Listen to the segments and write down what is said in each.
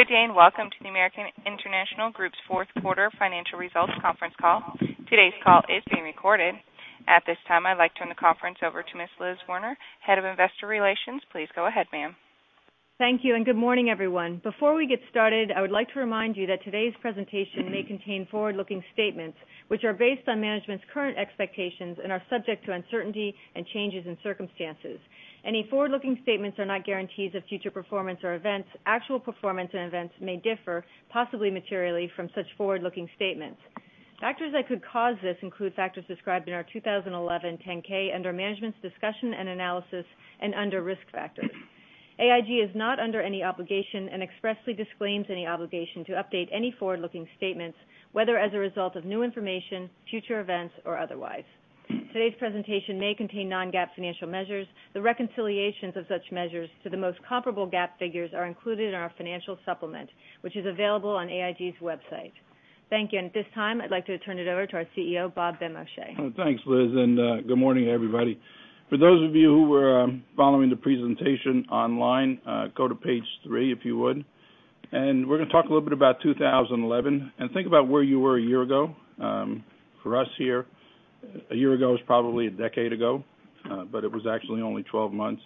Good day, and welcome to the American International Group's fourth quarter financial results conference call. Today's call is being recorded. At this time, I'd like to turn the conference over to Ms. Elizabeth Werner, Head of Investor Relations. Please go ahead, ma'am. Thank you, good morning, everyone. Before we get started, I would like to remind you that today's presentation may contain forward-looking statements, which are based on management's current expectations and are subject to uncertainty and changes in circumstances. Any forward-looking statements are not guarantees of future performance or events. Actual performance and events may differ, possibly materially, from such forward-looking statements. Factors that could cause this include factors described in our 2011 10-K under Management's Discussion and Analysis and under Risk Factors. AIG is not under any obligation and expressly disclaims any obligation to update any forward-looking statements, whether as a result of new information, future events, or otherwise. Today's presentation may contain non-GAAP financial measures. The reconciliations of such measures to the most comparable GAAP figures are included in our financial supplement, which is available on AIG's website. Thank you. At this time, I'd like to turn it over to our CEO, Robert Benmosche. Thanks, Liz, good morning, everybody. For those of you who are following the presentation online, go to page three if you would. We're going to talk a little bit about 2011. Think about where you were a year ago. For us here, a year ago was probably a decade ago, but it was actually only 12 months.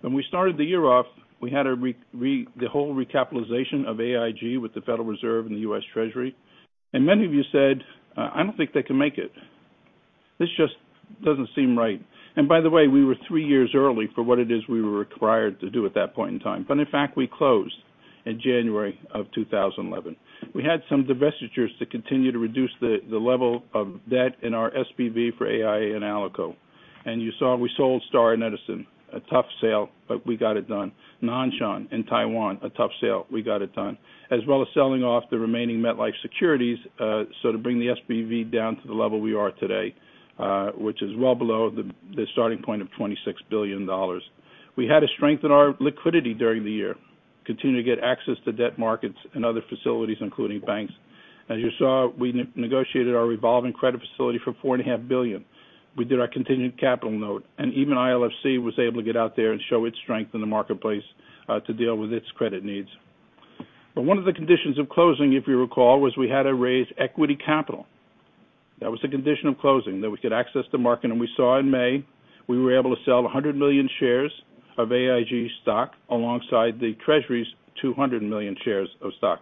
When we started the year off, we had the whole recapitalization of AIG with the Federal Reserve and the U.S. Department of the Treasury. Many of you said, "I don't think they can make it. This just doesn't seem right." By the way, we were three years early for what it is we were required to do at that point in time. In fact, we closed in January of 2011. We had some divestitures to continue to reduce the level of debt in our SPV for AIA and ALICO. You saw we sold Star Edison, a tough sale, but we got it done. Nan Shan in Taiwan, a tough sale, we got it done. As well as selling off the remaining MetLife securities, to bring the SPV down to the level we are today, which is well below the starting point of $26 billion. We had to strengthen our liquidity during the year, continue to get access to debt markets and other facilities, including banks. As you saw, we negotiated our revolving credit facility for $4.5 billion. We did our continued capital note, and even ILFC was able to get out there and show its strength in the marketplace to deal with its credit needs. One of the conditions of closing, if you recall, was we had to raise equity capital. That was the condition of closing, that we could access the market. We saw in May, we were able to sell 100 million shares of AIG stock alongside the Treasury's 200 million shares of stock.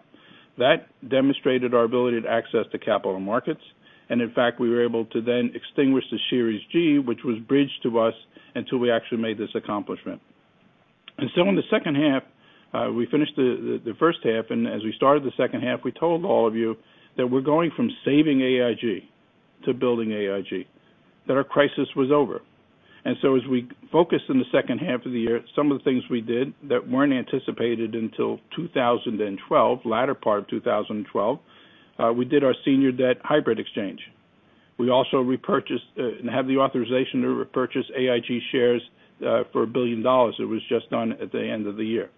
That demonstrated our ability to access the capital markets. In fact, we were able to then extinguish the Series G, which was bridged to us until we actually made this accomplishment. In the second half, we finished the first half, and as we started the second half, we told all of you that we're going from saving AIG to building AIG, that our crisis was over. As we focused on the second half of the year, some of the things we did that weren't anticipated until 2012, latter part of 2012, we did our senior debt hybrid exchange. We also repurchased and have the authorization to repurchase AIG shares for $1 billion. It was just done at the end of the year.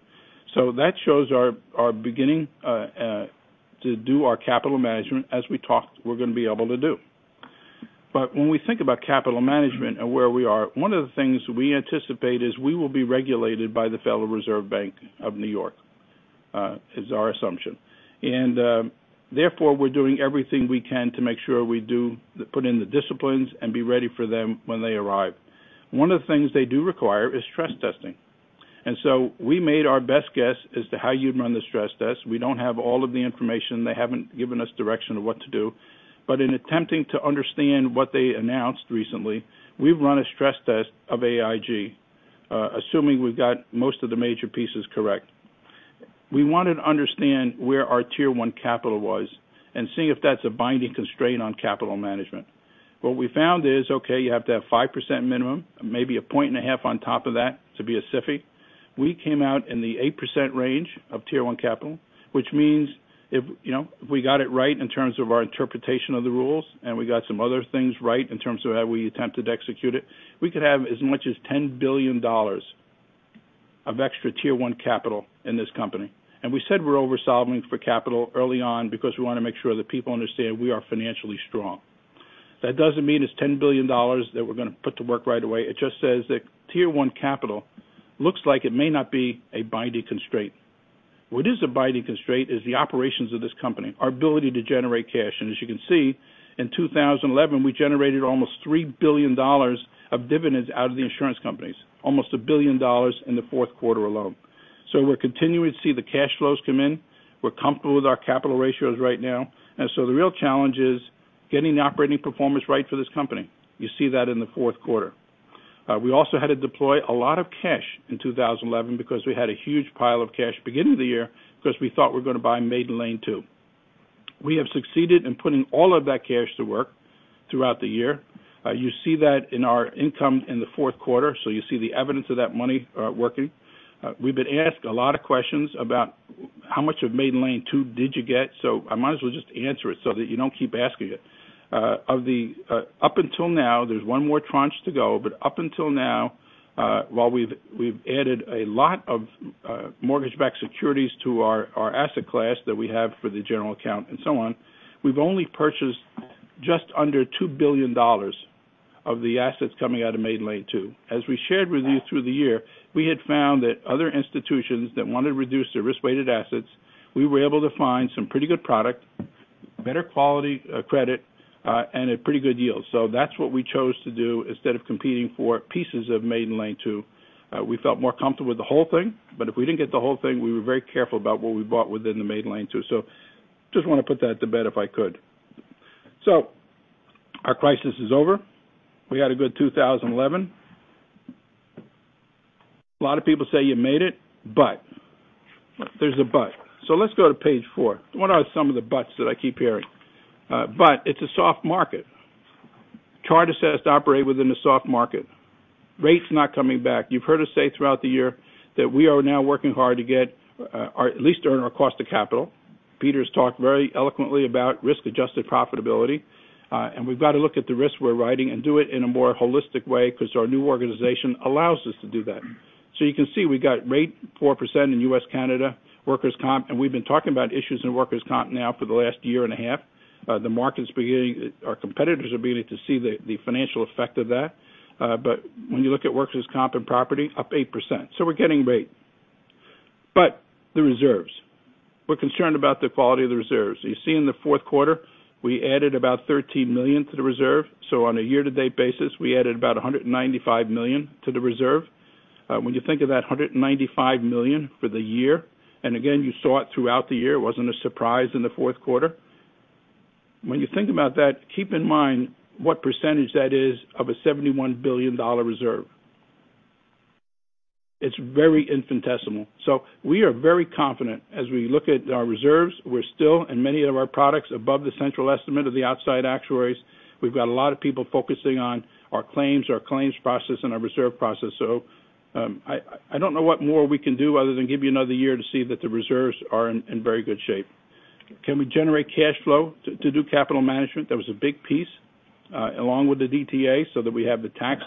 That shows our beginning to do our capital management as we talked we're going to be able to do. When we think about capital management and where we are, one of the things we anticipate is we will be regulated by the Federal Reserve Bank of New York, is our assumption. Therefore, we're doing everything we can to make sure we put in the disciplines and be ready for them when they arrive. One of the things they do require is stress testing. We made our best guess as to how you'd run the stress test. We don't have all of the information. They haven't given us direction of what to do. In attempting to understand what they announced recently, we've run a stress test of AIG, assuming we've got most of the major pieces correct. We wanted to understand where our Tier 1 capital was and see if that's a binding constraint on capital management. What we found is, okay, you have to have 5% minimum, maybe a point and a half on top of that to be a SIFI. We came out in the 8% range of Tier 1 capital, which means if we got it right in terms of our interpretation of the rules and we got some other things right in terms of how we attempted to execute it, we could have as much as $10 billion of extra Tier 1 capital in this company. We said we're over-solving for capital early on because we want to make sure that people understand we are financially strong. That doesn't mean it's $10 billion that we're going to put to work right away. It just says that Tier 1 capital looks like it may not be a binding constraint. What is a binding constraint is the operations of this company, our ability to generate cash. As you can see, in 2011, we generated almost $3 billion of dividends out of the insurance companies, almost a billion dollars in the fourth quarter alone. We're continuing to see the cash flows come in. We're comfortable with our capital ratios right now. The real challenge is getting the operating performance right for this company. You see that in the fourth quarter. We also had to deploy a lot of cash in 2011 because we had a huge pile of cash at the beginning of the year because we thought we were going to buy Maiden Lane II. We have succeeded in putting all of that cash to work throughout the year. You see that in our income in the fourth quarter, so you see the evidence of that money working. We've been asked a lot of questions about how much of Maiden Lane II did you get, so I might as well just answer it so that you don't keep asking it. Up until now, there's one more tranche to go, but up until now, while we've added a lot of mortgage-backed securities to our asset class that we have for the general account and so on, we've only purchased just under $2 billion. Of the assets coming out of Maiden Lane II. As we shared with you through the year, we had found that other institutions that wanted to reduce their risk-weighted assets, we were able to find some pretty good product, better quality credit, and pretty good deals. That's what we chose to do instead of competing for pieces of Maiden Lane II. We felt more comfortable with the whole thing, but if we didn't get the whole thing, we were very careful about what we bought within the Maiden Lane II. Just want to put that to bed if I could. Our crisis is over. We had a good 2011. A lot of people say, "You made it, but" There's a but. Let's go to page four. What are some of the buts that I keep hearing? It's a soft market. Chartis says to operate within a soft market. Rate's not coming back. You've heard us say throughout the year that we are now working hard to at least earn our cost of capital. Peter's talked very eloquently about risk-adjusted profitability. We've got to look at the risks we're writing and do it in a more holistic way because our new organization allows us to do that. You can see we got rate 4% in U.S., Canada, workers' comp, and we've been talking about issues in workers' comp now for the last year and a half. Our competitors are beginning to see the financial effect of that. When you look at workers' comp and property, up 8%. We're getting rate. The reserves. We're concerned about the quality of the reserves. You see in the fourth quarter, we added about $13 million to the reserve. On a year-to-date basis, we added about $195 million to the reserve. When you think of that $195 million for the year, again, you saw it throughout the year, it wasn't a surprise in the fourth quarter. When you think about that, keep in mind what percentage that is of a $71 billion reserve. It's very infinitesimal. We are very confident as we look at our reserves. We're still, in many of our products, above the central estimate of the outside actuaries. We've got a lot of people focusing on our claims, our claims process, and our reserve process. I don't know what more we can do other than give you another year to see that the reserves are in very good shape. Can we generate cash flow to do capital management? That was a big piece, along with the DTA, so that we have the tax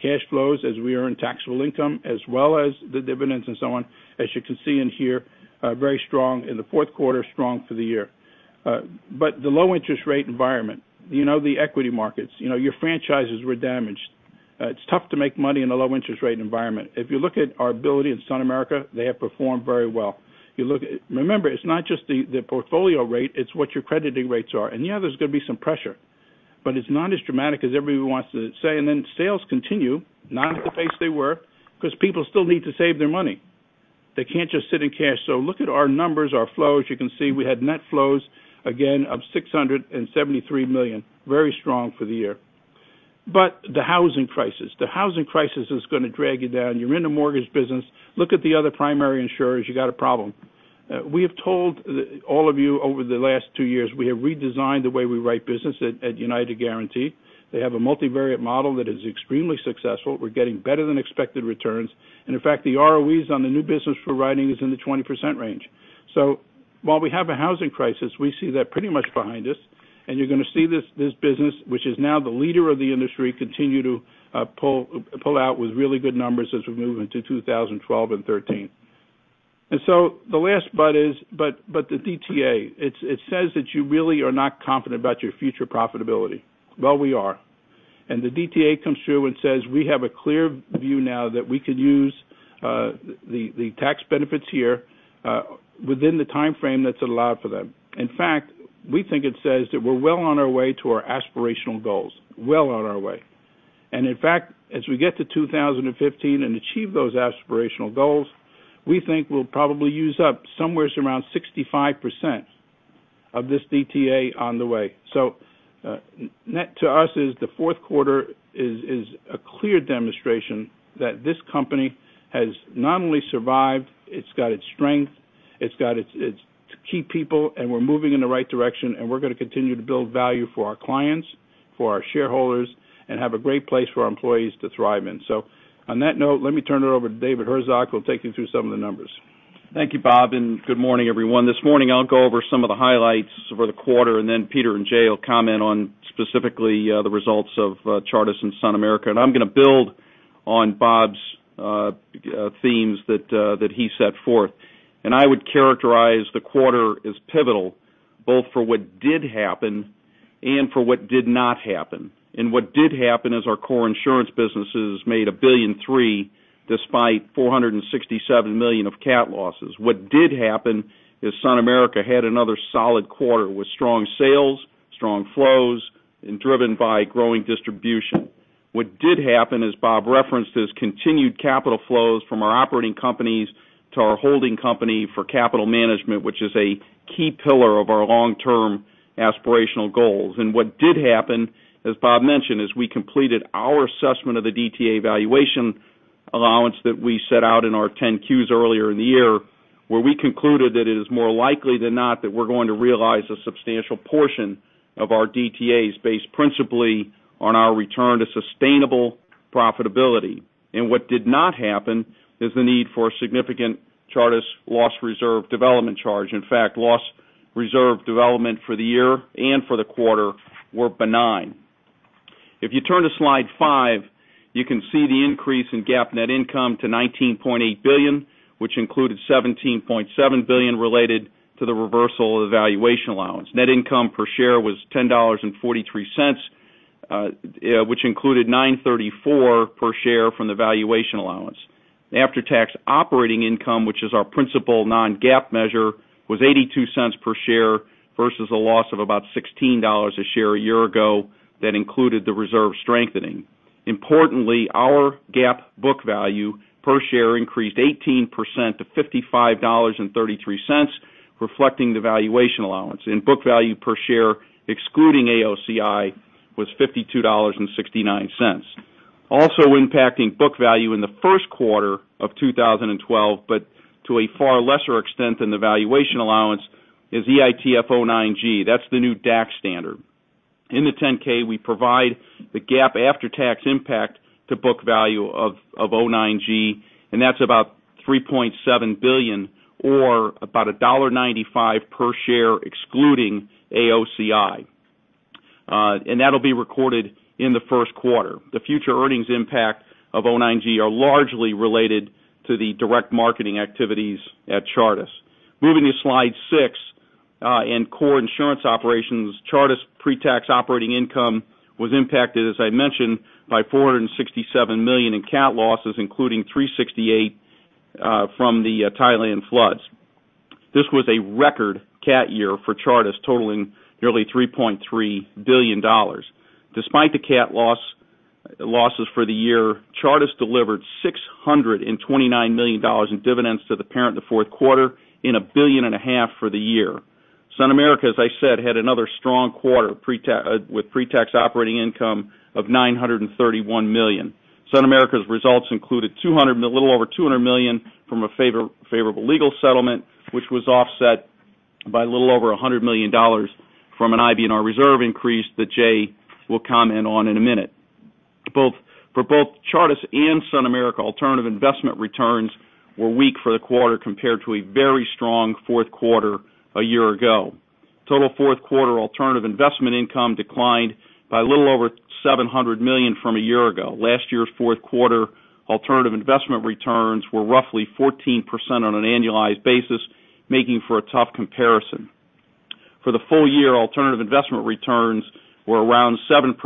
cash flows as we earn taxable income, as well as the dividends and so on. As you can see in here, very strong in the fourth quarter, strong for the year. The low interest rate environment, the equity markets, your franchises were damaged. It's tough to make money in a low interest rate environment. If you look at our ability in SunAmerica, they have performed very well. Remember, it's not just the portfolio rate, it's what your crediting rates are. Yeah, there's going to be some pressure. It's not as dramatic as everybody wants to say. Sales continue, not at the pace they were, because people still need to save their money. They can't just sit in cash. Look at our numbers, our flows. You can see we had net flows, again, of $673 million. Very strong for the year. The housing crisis. The housing crisis is going to drag you down. You're in the mortgage business. Look at the other primary insurers. You got a problem. We have told all of you over the last two years, we have redesigned the way we write business at United Guaranty. They have a multivariate model that is extremely successful. We're getting better than expected returns. In fact, the ROEs on the new business we're writing is in the 20% range. While we have a housing crisis, we see that pretty much behind us, and you're going to see this business, which is now the leader of the industry, continue to pull out with really good numbers as we move into 2012 and 2013. The last but is, but the DTA. It says that you really are not confident about your future profitability. We are. The DTA comes through and says we have a clear view now that we could use the tax benefits here within the timeframe that's allowed for them. In fact, we think it says that we're well on our way to our aspirational goals. Well on our way. In fact, as we get to 2015 and achieve those aspirational goals, we think we'll probably use up somewhere around 65% of this DTA on the way. Net to us is the fourth quarter is a clear demonstration that this company has not only survived, it's got its strength, it's got its key people, and we're moving in the right direction, and we're going to continue to build value for our clients, for our shareholders, and have a great place for our employees to thrive in. On that note, let me turn it over to David Herzog, who will take you through some of the numbers. Thank you, Bob, and good morning, everyone. This morning, I'll go over some of the highlights for the quarter, and then Peter and Jay will comment on specifically the results of Chartis and SunAmerica. I'm going to build on Bob's themes that he set forth. I would characterize the quarter as pivotal, both for what did happen and for what did not happen. What did happen is our core insurance businesses made $1 billion and three despite $467 million of cat losses. What did happen is SunAmerica had another solid quarter with strong sales, strong flows, and driven by growing distribution. What did happen, as Bob referenced, is continued capital flows from our operating companies to our holding company for capital management, which is a key pillar of our long-term aspirational goals. What did happen, as Bob mentioned, is we completed our assessment of the DTA valuation allowance that we set out in our 10-Qs earlier in the year, where we concluded that it is more likely than not that we're going to realize a substantial portion of our DTAs based principally on our return to sustainable profitability. What did not happen is the need for a significant Chartis loss reserve development charge. In fact, loss reserve development for the year and for the quarter were benign. If you turn to slide five, you can see the increase in GAAP net income to $19.8 billion, which included $17.7 billion related to the reversal of the valuation allowance. Net income per share was $10.43, which included $9.34 per share from the valuation allowance. After-tax operating income, which is our principal non-GAAP measure, was $0.82 per share versus a loss of about $16 per share a year ago that included the reserve strengthening. Importantly, our GAAP book value per share increased 18% to $55.33, reflecting the valuation allowance. Book value per share, excluding AOCI, was $52.69. Also impacting book value in the first quarter of 2012, but to a far lesser extent than the valuation allowance, is EITF 09-G. That's the new DAC standard. In the 10-K, we provide the GAAP after-tax impact to book value of 09-G, and that's about $3.7 billion or about $1.95 per share, excluding AOCI. That'll be recorded in the first quarter. The future earnings impact of 09-G are largely related to the direct marketing activities at Chartis. Moving to slide six. In core insurance operations, Chartis pretax operating income was impacted, as I mentioned, by $467 million in cat losses, including $368 from the Thailand floods. This was a record cat year for Chartis, totaling nearly $3.3 billion. Despite the cat losses for the year, Chartis delivered $629 million in dividends to the parent in the fourth quarter and a billion and a half for the year. SunAmerica, as I said, had another strong quarter with pretax operating income of $931 million. SunAmerica's results included a little over $200 million from a favorable legal settlement, which was offset by a little over $100 million from an IBNR reserve increase that Jay will comment on in a minute. For both Chartis and SunAmerica, alternative investment returns were weak for the quarter compared to a very strong fourth quarter a year ago. Total fourth quarter alternative investment income declined by a little over $700 million from a year ago. Last year's fourth quarter alternative investment returns were roughly 14% on an annualized basis, making for a tough comparison. For the full year, alternative investment returns were around 7%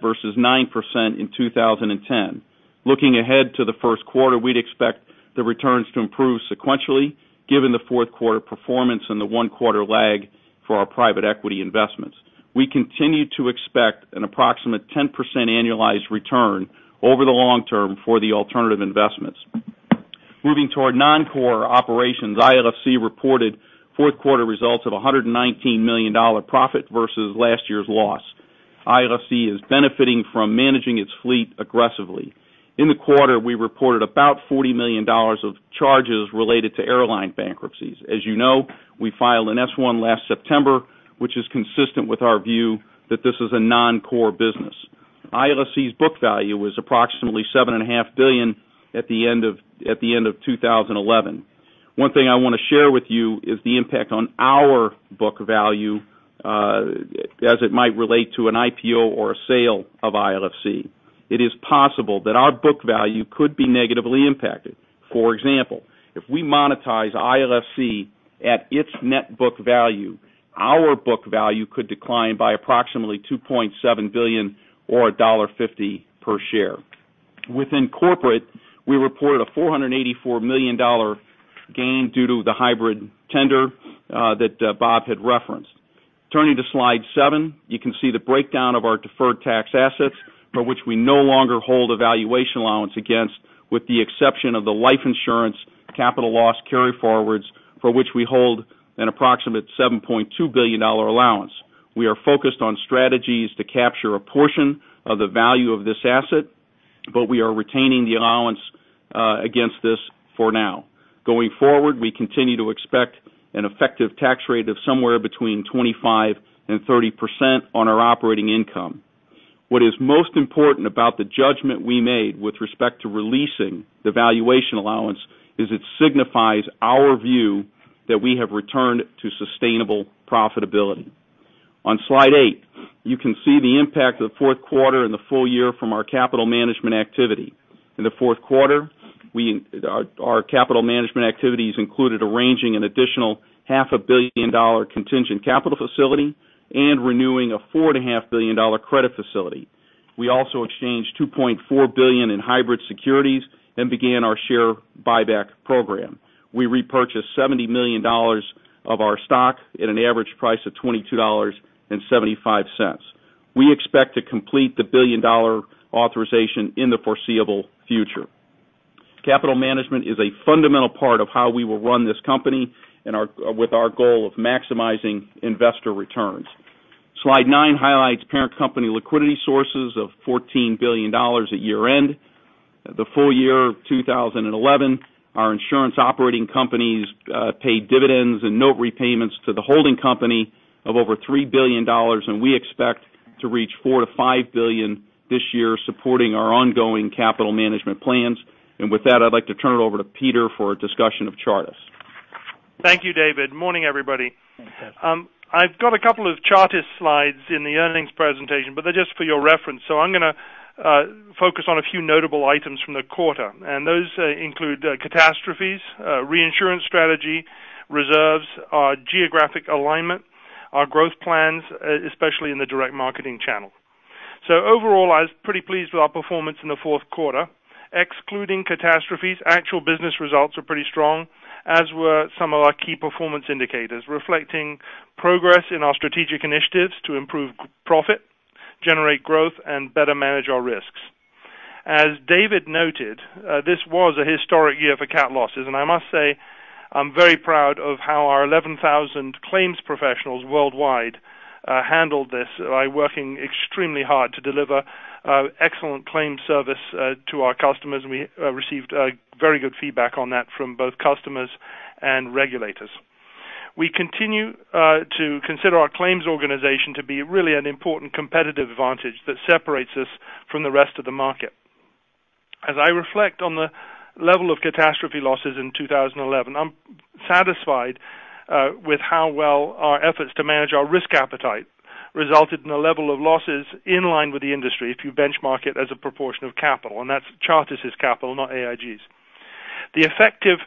versus 9% in 2010. Looking ahead to the first quarter, we'd expect the returns to improve sequentially, given the fourth quarter performance and the one quarter lag for our private equity investments. We continue to expect an approximate 10% annualized return over the long term for the alternative investments. Moving toward non-core operations, ILFC reported fourth quarter results of $119 million profit versus last year's loss. ILFC is benefiting from managing its fleet aggressively. In the quarter, we reported about $40 million of charges related to airline bankruptcies. As you know, we filed an S-1 last September, which is consistent with our view that this is a non-core business. ILFC's book value was approximately $7.5 billion at the end of 2011. One thing I want to share with you is the impact on our book value, as it might relate to an IPO or a sale of ILFC. It is possible that our book value could be negatively impacted. For example, if we monetize ILFC at its net book value, our book value could decline by approximately $2.7 billion or $1.50 per share. Within corporate, we reported a $484 million gain due to the hybrid tender that Bob had referenced. Turning to slide seven, you can see the breakdown of our deferred tax assets for which we no longer hold a valuation allowance against, with the exception of the life insurance capital loss carryforwards, for which we hold an approximate $7.2 billion allowance. We are focused on strategies to capture a portion of the value of this asset, but we are retaining the allowance against this for now. Going forward, we continue to expect an effective tax rate of somewhere between 25% and 30% on our operating income. What is most important about the judgment we made with respect to releasing the valuation allowance is it signifies our view that we have returned to sustainable profitability. On slide eight, you can see the impact of the fourth quarter and the full year from our capital management activity. In the fourth quarter, our capital management activities included arranging an additional half a billion dollar contingent capital facility and renewing a $4.5 billion credit facility. We also exchanged $2.4 billion in hybrid securities and began our share buyback program. We repurchased $70 million of our stock at an average price of $22.75. We expect to complete the billion-dollar authorization in the foreseeable future. Capital management is a fundamental part of how we will run this company with our goal of maximizing investor returns. Slide nine highlights parent company liquidity sources of $14 billion at year-end. For the full year of 2011, our insurance operating companies paid dividends and note repayments to the holding company of over $3 billion, and we expect to reach $4 billion-$5 billion this year supporting our ongoing capital management plans. With that, I'd like to turn it over to Peter for a discussion of Chartis. Thank you, David. Morning, everybody. Thanks, Ed. I've got a couple of Chartis slides in the earnings presentation, but they're just for your reference. I'm going to focus on a few notable items from the quarter, and those include catastrophes, reinsurance strategy, reserves, our geographic alignment, our growth plans, especially in the direct marketing channel. Overall, I was pretty pleased with our performance in the fourth quarter. Excluding catastrophes, actual business results were pretty strong, as were some of our key performance indicators, reflecting progress in our strategic initiatives to improve profit, generate growth, and better manage our risks. As David noted, this was a historic year for cat losses, and I must say I'm very proud of how our 11,000 claims professionals worldwide handled this by working extremely hard to deliver excellent claim service to our customers, and we received very good feedback on that from both customers and regulators. We continue to consider our claims organization to be really an important competitive advantage that separates us from the rest of the market. As I reflect on the level of catastrophe losses in 2011, I'm satisfied with how well our efforts to manage our risk appetite resulted in a level of losses in line with the industry if you benchmark it as a proportion of capital, and that's Chartis' capital, not AIG's. The effective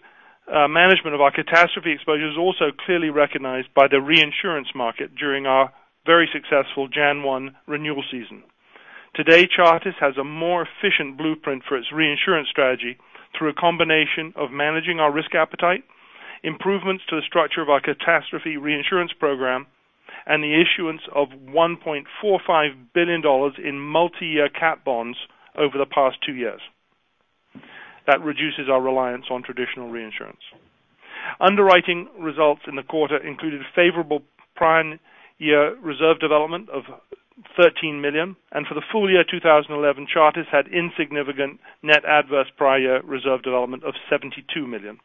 management of our catastrophe exposure is also clearly recognized by the reinsurance market during our very successful January 1 renewal season. Today, Chartis has a more efficient blueprint for its reinsurance strategy through a combination of managing our risk appetite, improvements to the structure of our catastrophe reinsurance program, and the issuance of $1.45 billion in multi-year cat bonds over the past two years. That reduces our reliance on traditional reinsurance. Underwriting results in the quarter included favorable prior year reserve development of $13 million. For the full year 2011, Chartis had insignificant net adverse prior reserve development of $72 million.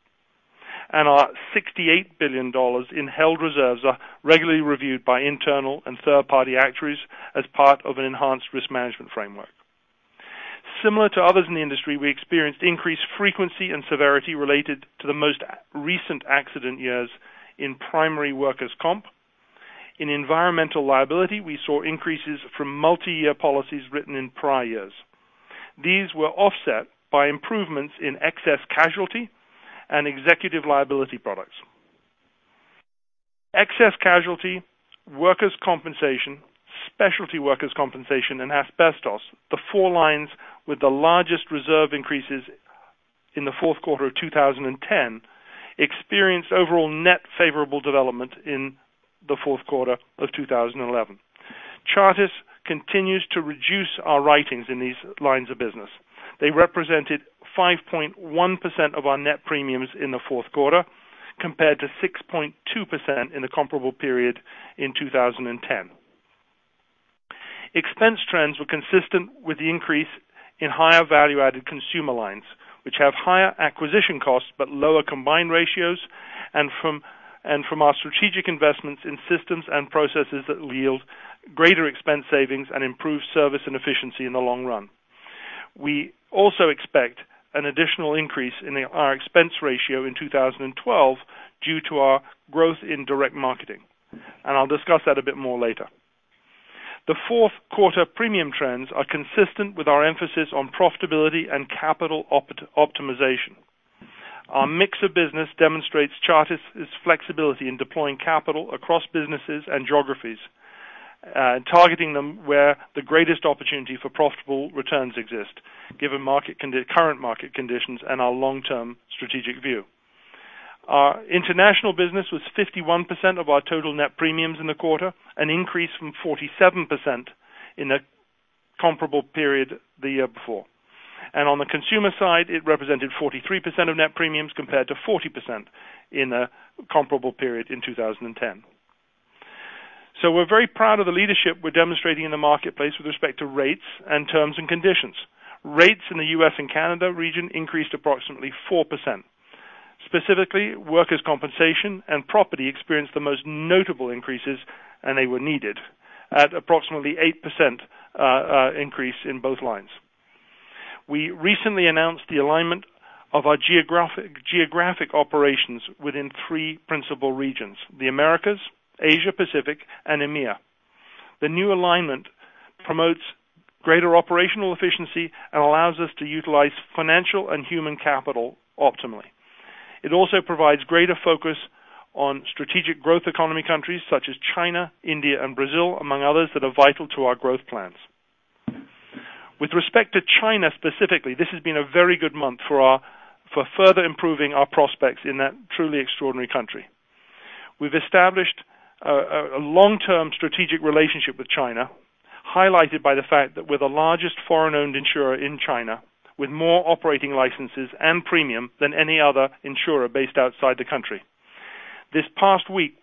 Our $68 billion in held reserves are regularly reviewed by internal and third-party actuaries as part of an enhanced risk management framework. Similar to others in the industry, we experienced increased frequency and severity related to the most recent accident years in primary workers' comp. In environmental liability, we saw increases from multi-year policies written in prior years. These were offset by improvements in excess casualty and executive liability products. Excess casualty, workers' compensation, specialty workers' compensation, and asbestos, the four lines with the largest reserve increases in the fourth quarter of 2010, experienced overall net favorable development in the fourth quarter of 2011. Chartis continues to reduce our writings in these lines of business. They represented 5.1% of our net premiums in the fourth quarter, compared to 6.2% in the comparable period in 2010. Expense trends were consistent with the increase in higher value-added consumer lines, which have higher acquisition costs but lower combined ratios, and from our strategic investments in systems and processes that will yield greater expense savings and improve service and efficiency in the long run. We also expect an additional increase in our expense ratio in 2012 due to our growth in direct marketing. I'll discuss that a bit more later. The fourth quarter premium trends are consistent with our emphasis on profitability and capital optimization. Our mix of business demonstrates Chartis' flexibility in deploying capital across businesses and geographies, targeting them where the greatest opportunity for profitable returns exist, given current market conditions and our long-term strategic view. Our international business was 51% of our total net premiums in the quarter, an increase from 47% in the comparable period the year before. On the consumer side, it represented 43% of net premiums compared to 40% in the comparable period in 2010. We're very proud of the leadership we're demonstrating in the marketplace with respect to rates and terms and conditions. Rates in the U.S. and Canada region increased approximately 4%. Specifically, workers' compensation and property experienced the most notable increases, and they were needed, at approximately 8% increase in both lines. We recently announced the alignment of our geographic operations within three principal regions, the Americas, Asia Pacific, and EMEA. The new alignment promotes greater operational efficiency and allows us to utilize financial and human capital optimally. It also provides greater focus on strategic growth economy countries such as China, India, and Brazil, among others, that are vital to our growth plans. With respect to China specifically, this has been a very good month for further improving our prospects in that truly extraordinary country. We've established a long-term strategic relationship with China, highlighted by the fact that we're the largest foreign-owned insurer in China, with more operating licenses and premium than any other insurer based outside the country. This past week,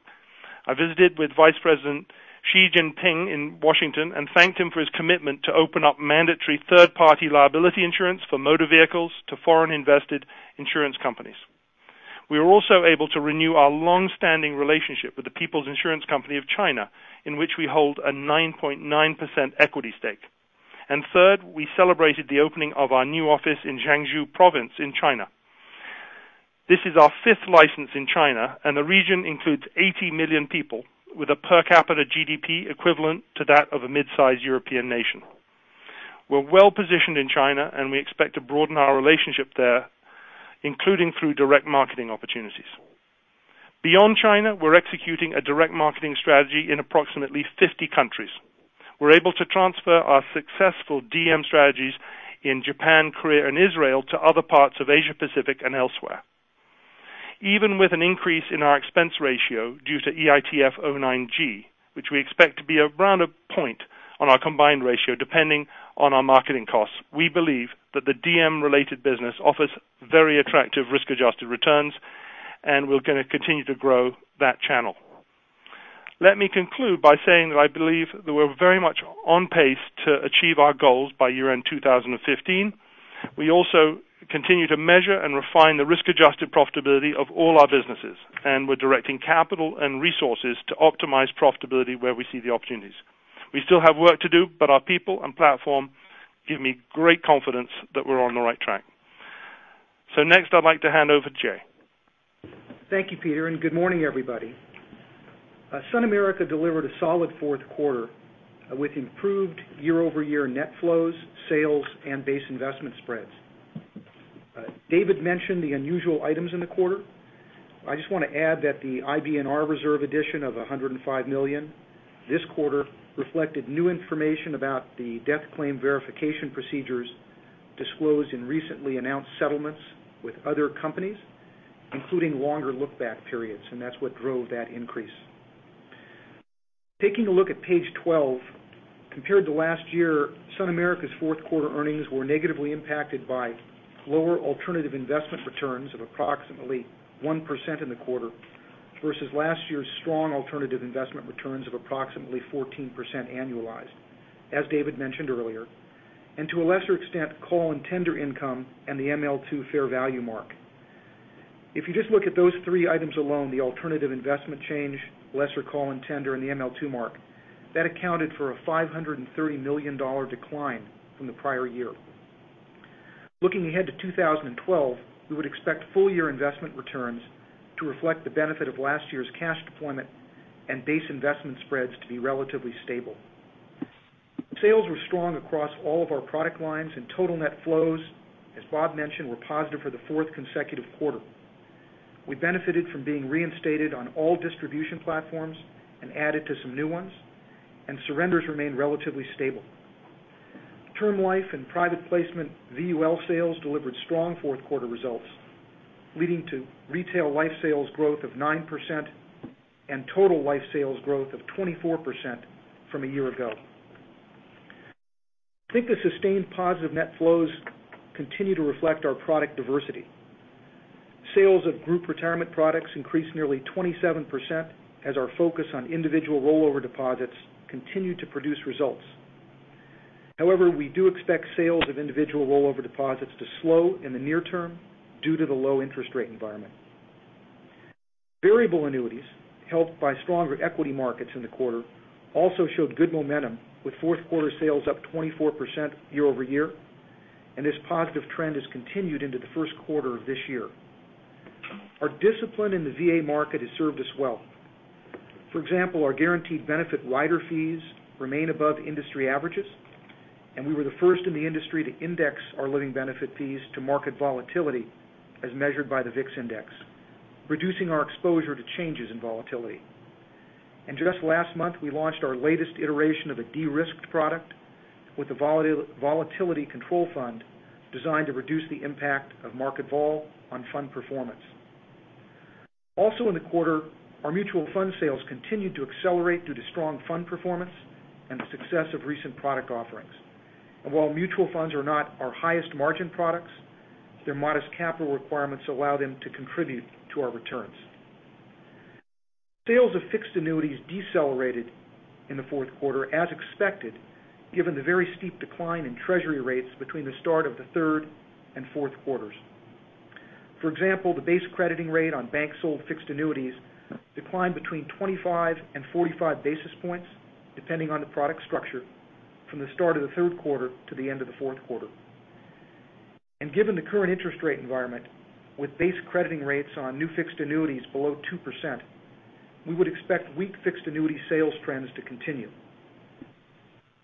I visited with Vice President Xi Jinping in Washington and thanked him for his commitment to open up mandatory third-party liability insurance for motor vehicles to foreign invested insurance companies. We were also able to renew our long-standing relationship with the People's Insurance Company of China, in which we hold a 9.9% equity stake. Third, we celebrated the opening of our new office in Jiangsu province in China. This is our fifth license in China, and the region includes 80 million people with a per capita GDP equivalent to that of a mid-size European nation. We're well-positioned in China, and we expect to broaden our relationship there, including through direct marketing opportunities. Beyond China, we're executing a direct marketing strategy in approximately 50 countries. We're able to transfer our successful DM strategies in Japan, Korea, and Israel to other parts of Asia Pacific and elsewhere. Even with an increase in our expense ratio due to EITF 09-G, which we expect to be around a point on our combined ratio depending on our marketing costs, we believe that the DM-related business offers very attractive risk-adjusted returns, and we're going to continue to grow that channel. Let me conclude by saying that I believe that we're very much on pace to achieve our goals by year-end 2015. We also continue to measure and refine the risk-adjusted profitability of all our businesses, and we're directing capital and resources to optimize profitability where we see the opportunities. We still have work to do, our people and platform give me great confidence that we're on the right track. Next, I'd like to hand over to Jay. Thank you, Peter, and good morning, everybody. SunAmerica delivered a solid fourth quarter with improved year-over-year net flows, sales, and base investment spreads. David mentioned the unusual items in the quarter. I just want to add that the IBNR reserve addition of $105 million. This quarter reflected new information about the death claim verification procedures disclosed in recently announced settlements with other companies, including longer look-back periods, and that's what drove that increase. Taking a look at page 12, compared to last year, SunAmerica's fourth quarter earnings were negatively impacted by lower alternative investment returns of approximately 1% in the quarter versus last year's strong alternative investment returns of approximately 14% annualized, as David mentioned earlier, and to a lesser extent, call and tender income and the ML2 fair value mark. If you just look at those three items alone, the alternative investment change, lesser call and tender, and the ML2 mark, that accounted for a $530 million decline from the prior year. Looking ahead to 2012, we would expect full year investment returns to reflect the benefit of last year's cash deployment and base investment spreads to be relatively stable. Sales were strong across all of our product lines and total net flows, as Bob mentioned, were positive for the fourth consecutive quarter. We benefited from being reinstated on all distribution platforms and added to some new ones, and surrenders remained relatively stable. Term life and private placement VUL sales delivered strong fourth quarter results, leading to retail life sales growth of 9% and total life sales growth of 24% from a year ago. I think the sustained positive net flows continue to reflect our product diversity. Sales of group retirement products increased nearly 27% as our focus on individual rollover deposits continued to produce results. We do expect sales of individual rollover deposits to slow in the near term due to the low interest rate environment. Variable annuities, helped by stronger equity markets in the quarter, also showed good momentum with fourth quarter sales up 24% year-over-year, and this positive trend has continued into the first quarter of this year. Our discipline in the VA market has served us well. For example, our guaranteed benefit rider fees remain above industry averages, and we were the first in the industry to index our living benefit fees to market volatility as measured by the VIX index, reducing our exposure to changes in volatility. Just last month, we launched our latest iteration of a de-risked product with a volatility control fund designed to reduce the impact of market vol on fund performance. Also in the quarter, our mutual fund sales continued to accelerate due to strong fund performance and the success of recent product offerings. While mutual funds are not our highest margin products, their modest capital requirements allow them to contribute to our returns. Sales of fixed annuities decelerated in the fourth quarter, as expected, given the very steep decline in treasury rates between the start of the third and fourth quarters. For example, the base crediting rate on bank-sold fixed annuities declined between 25 and 45 basis points, depending on the product structure, from the start of the third quarter to the end of the fourth quarter. Given the current interest rate environment, with base crediting rates on new fixed annuities below 2%, we would expect weak fixed annuity sales trends to continue.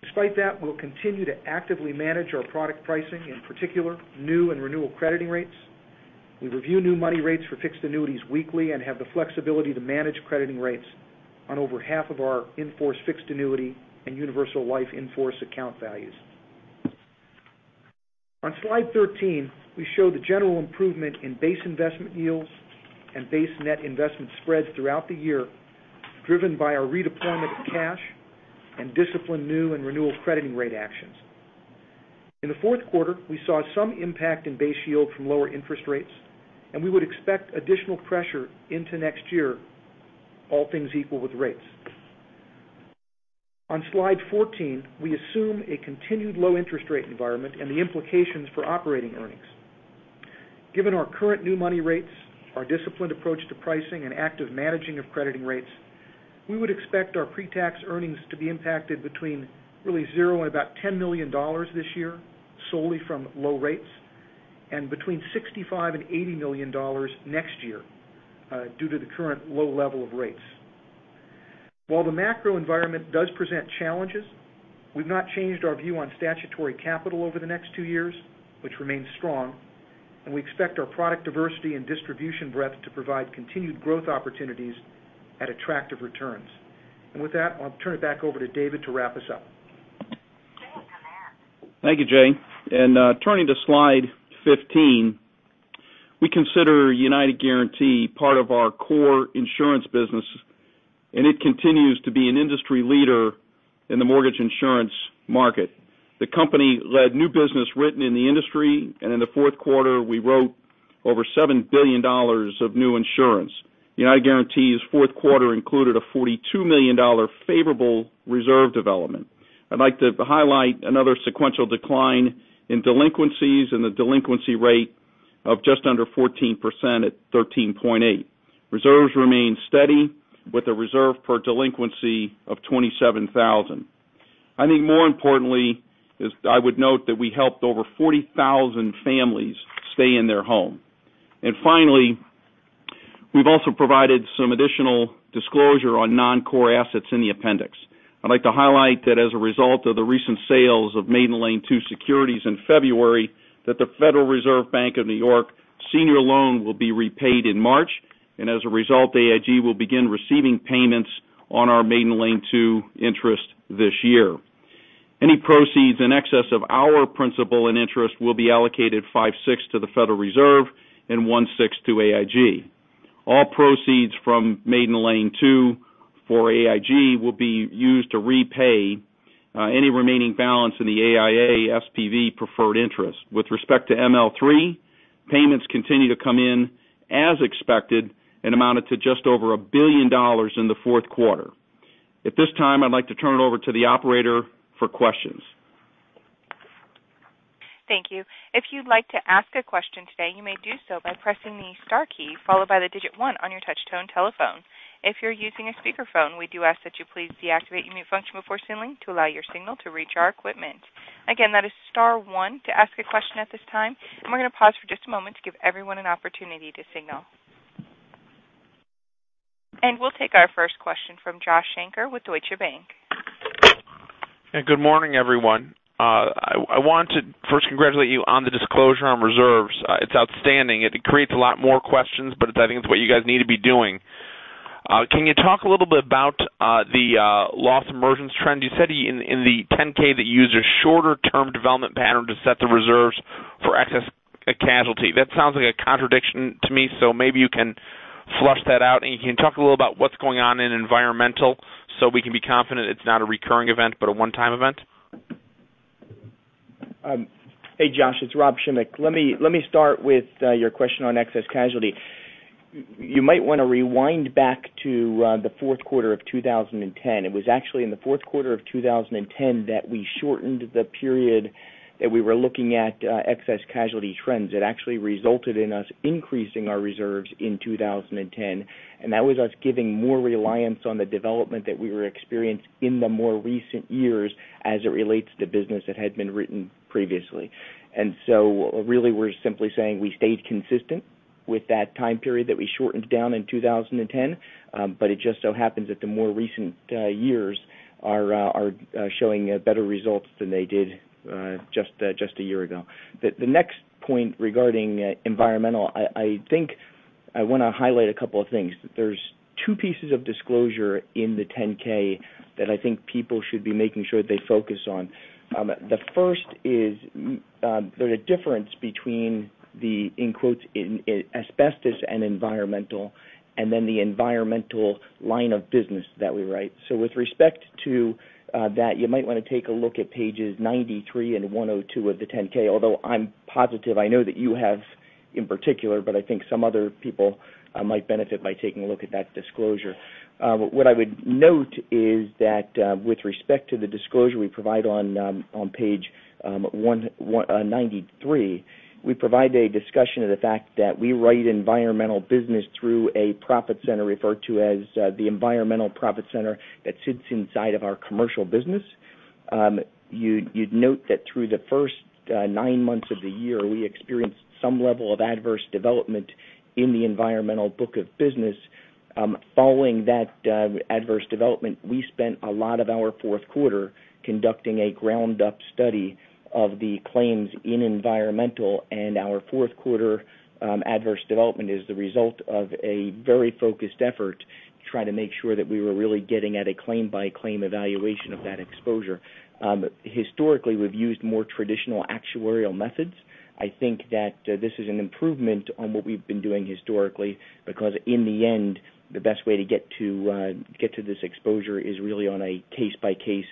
Despite that, we'll continue to actively manage our product pricing, in particular, new and renewal crediting rates. We review new money rates for fixed annuities weekly and have the flexibility to manage crediting rates on over half of our in-force fixed annuity and universal life in-force account values. On slide 13, we show the general improvement in base investment yields and base net investment spreads throughout the year, driven by our redeployment of cash and disciplined new and renewal crediting rate actions. In the fourth quarter, we saw some impact in base yield from lower interest rates, and we would expect additional pressure into next year, all things equal with rates. On slide 14, we assume a continued low interest rate environment and the implications for operating earnings. Given our current new money rates, our disciplined approach to pricing, and active managing of crediting rates, we would expect our pre-tax earnings to be impacted between really zero and about $10 million this year, solely from low rates, and between $65 million and $80 million next year due to the current low level of rates. While the macro environment does present challenges, we've not changed our view on statutory capital over the next two years, which remains strong, and we expect our product diversity and distribution breadth to provide continued growth opportunities at attractive returns. With that, I'll turn it back over to David to wrap us up. Thank you, Jay. Turning to slide 15, we consider United Guaranty part of our core insurance business, and it continues to be an industry leader in the mortgage insurance market. The company led new business written in the industry, and in the fourth quarter, we wrote over $7 billion of new insurance. United Guaranty's fourth quarter included a $42 million favorable reserve development. I'd like to highlight another sequential decline in delinquencies and the delinquency rate of just under 14% at 13.8%. Reserves remain steady with a reserve per delinquency of $27,000. I think more importantly is I would note that we helped over 40,000 families stay in their home. Finally, we've also provided some additional disclosure on non-core assets in the appendix. I'd like to highlight that as a result of the recent sales of Maiden Lane II securities in February, that the Federal Reserve Bank of New York senior loan will be repaid in March, and as a result, AIG will begin receiving payments on our Maiden Lane II interest this year. Any proceeds in excess of our principal and interest will be allocated five-six to the Federal Reserve and one-sixth to AIG. All proceeds from Maiden Lane II for AIG will be used to repay any remaining balance in the AIA SPV preferred interest. With respect to ML3, payments continue to come in as expected and amounted to just over $1 billion in the fourth quarter. At this time, I'd like to turn it over to the operator for questions. Thank you. If you'd like to ask a question today, you may do so by pressing the star key followed by the digit 1 on your touch tone telephone. If you're using a speakerphone, we do ask that you please deactivate your mute function before signaling to allow your signal to reach our equipment. Again, that is star 1 to ask a question at this time, we're going to pause for just a moment to give everyone an opportunity to signal. We'll take our first question from Joshua Shanker with Deutsche Bank. Good morning, everyone. I want to first congratulate you on the disclosure on reserves. It's outstanding. It creates a lot more questions, but I think it's what you guys need to be doing. Can you talk a little bit about the loss emergence trend? You said in the 10-K that you use a shorter-term development pattern to set the reserves for excess casualty. That sounds like a contradiction to me, so maybe you can flush that out and can you talk a little about what's going on in environmental so we can be confident it's not a recurring event, but a one-time event? Hey, Josh, it's Rob Schimek. Let me start with your question on excess casualty. You might want to rewind back to the fourth quarter of 2010. It was actually in the fourth quarter of 2010 that we shortened the period that we were looking at excess casualty trends. It actually resulted in us increasing our reserves in 2010, and that was us giving more reliance on the development that we were experienced in the more recent years as it relates to business that had been written previously. Really, we're simply saying we stayed consistent with that time period that we shortened down in 2010, but it just so happens that the more recent years are showing better results than they did just a year ago. The next point regarding environmental, I think I want to highlight a couple of things. There's two pieces of disclosure in the 10-K that I think people should be making sure they focus on. The first is there's a difference between the asbestos and environmental, and then the environmental line of business that we write. With respect to that, you might want to take a look at pages 93 and 102 of the 10-K. Although I'm positive I know that you have in particular, but I think some other people might benefit by taking a look at that disclosure. What I would note is that with respect to the disclosure we provide on page 93, we provide a discussion of the fact that we write environmental business through a profit center referred to as the environmental profit center that sits inside of our commercial business. You'd note that through the first nine months of the year, we experienced some level of adverse development in the environmental book of business. Following that adverse development, we spent a lot of our fourth quarter conducting a ground-up study of the claims in environmental and our fourth quarter adverse development is the result of a very focused effort to try to make sure that we were really getting at a claim-by-claim evaluation of that exposure. Historically, we've used more traditional actuarial methods. I think that this is an improvement on what we've been doing historically because in the end, the best way to get to this exposure is really on a case-by-case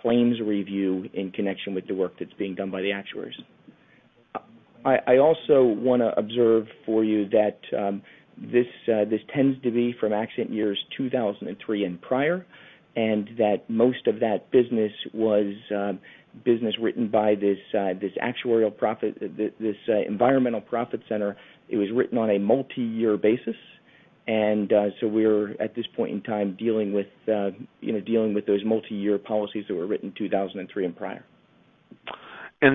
claims review in connection with the work that's being done by the actuaries. I also want to observe for you that this tends to be from accident years 2003 and prior, and that most of that business was business written by this actuarial profit, this environmental profit center. It was written on a multi-year basis. We're, at this point in time, dealing with those multi-year policies that were written 2003 and prior. The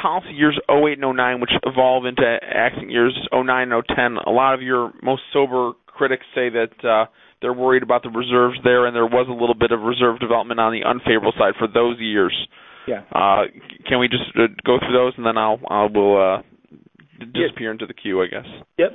policy years 2008 and 2009, which evolve into accident years 2009 and 2010, a lot of your most sober critics say that they're worried about the reserves there, and there was a little bit of reserve development on the unfavorable side for those years. Yeah. Can we just go through those and then I will disappear into the queue, I guess. Yep.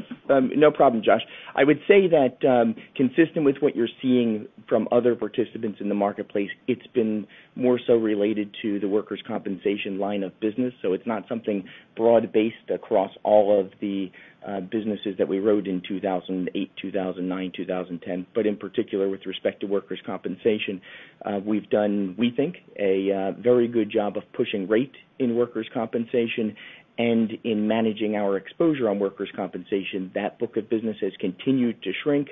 No problem, Josh. I would say that, consistent with what you're seeing from other participants in the marketplace, it's been more so related to the workers' compensation line of business. It's not something broad-based across all of the businesses that we wrote in 2008, 2009, 2010. In particular, with respect to workers' compensation, we've done, we think, a very good job of pushing rate in workers' compensation. In managing our exposure on workers' compensation, that book of business has continued to shrink,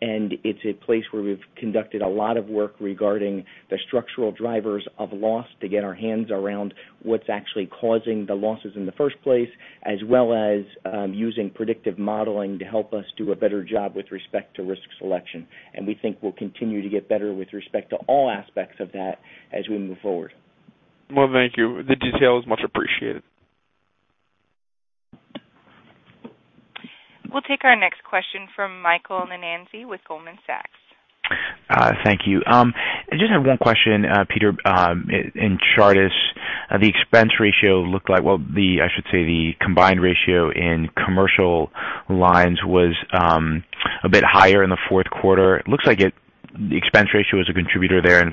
and it's a place where we've conducted a lot of work regarding the structural drivers of loss to get our hands around what's actually causing the losses in the first place, as well as using predictive modeling to help us do a better job with respect to risk selection. We think we'll continue to get better with respect to all aspects of that as we move forward. Well, thank you. The detail is much appreciated. We'll take our next question from Michael Nannizzi with Goldman Sachs. Thank you. I just have one question, Peter. In Chartis, the expense ratio well, I should say the combined ratio in commercial lines was a bit higher in the fourth quarter. It looks like the expense ratio is a contributor there, and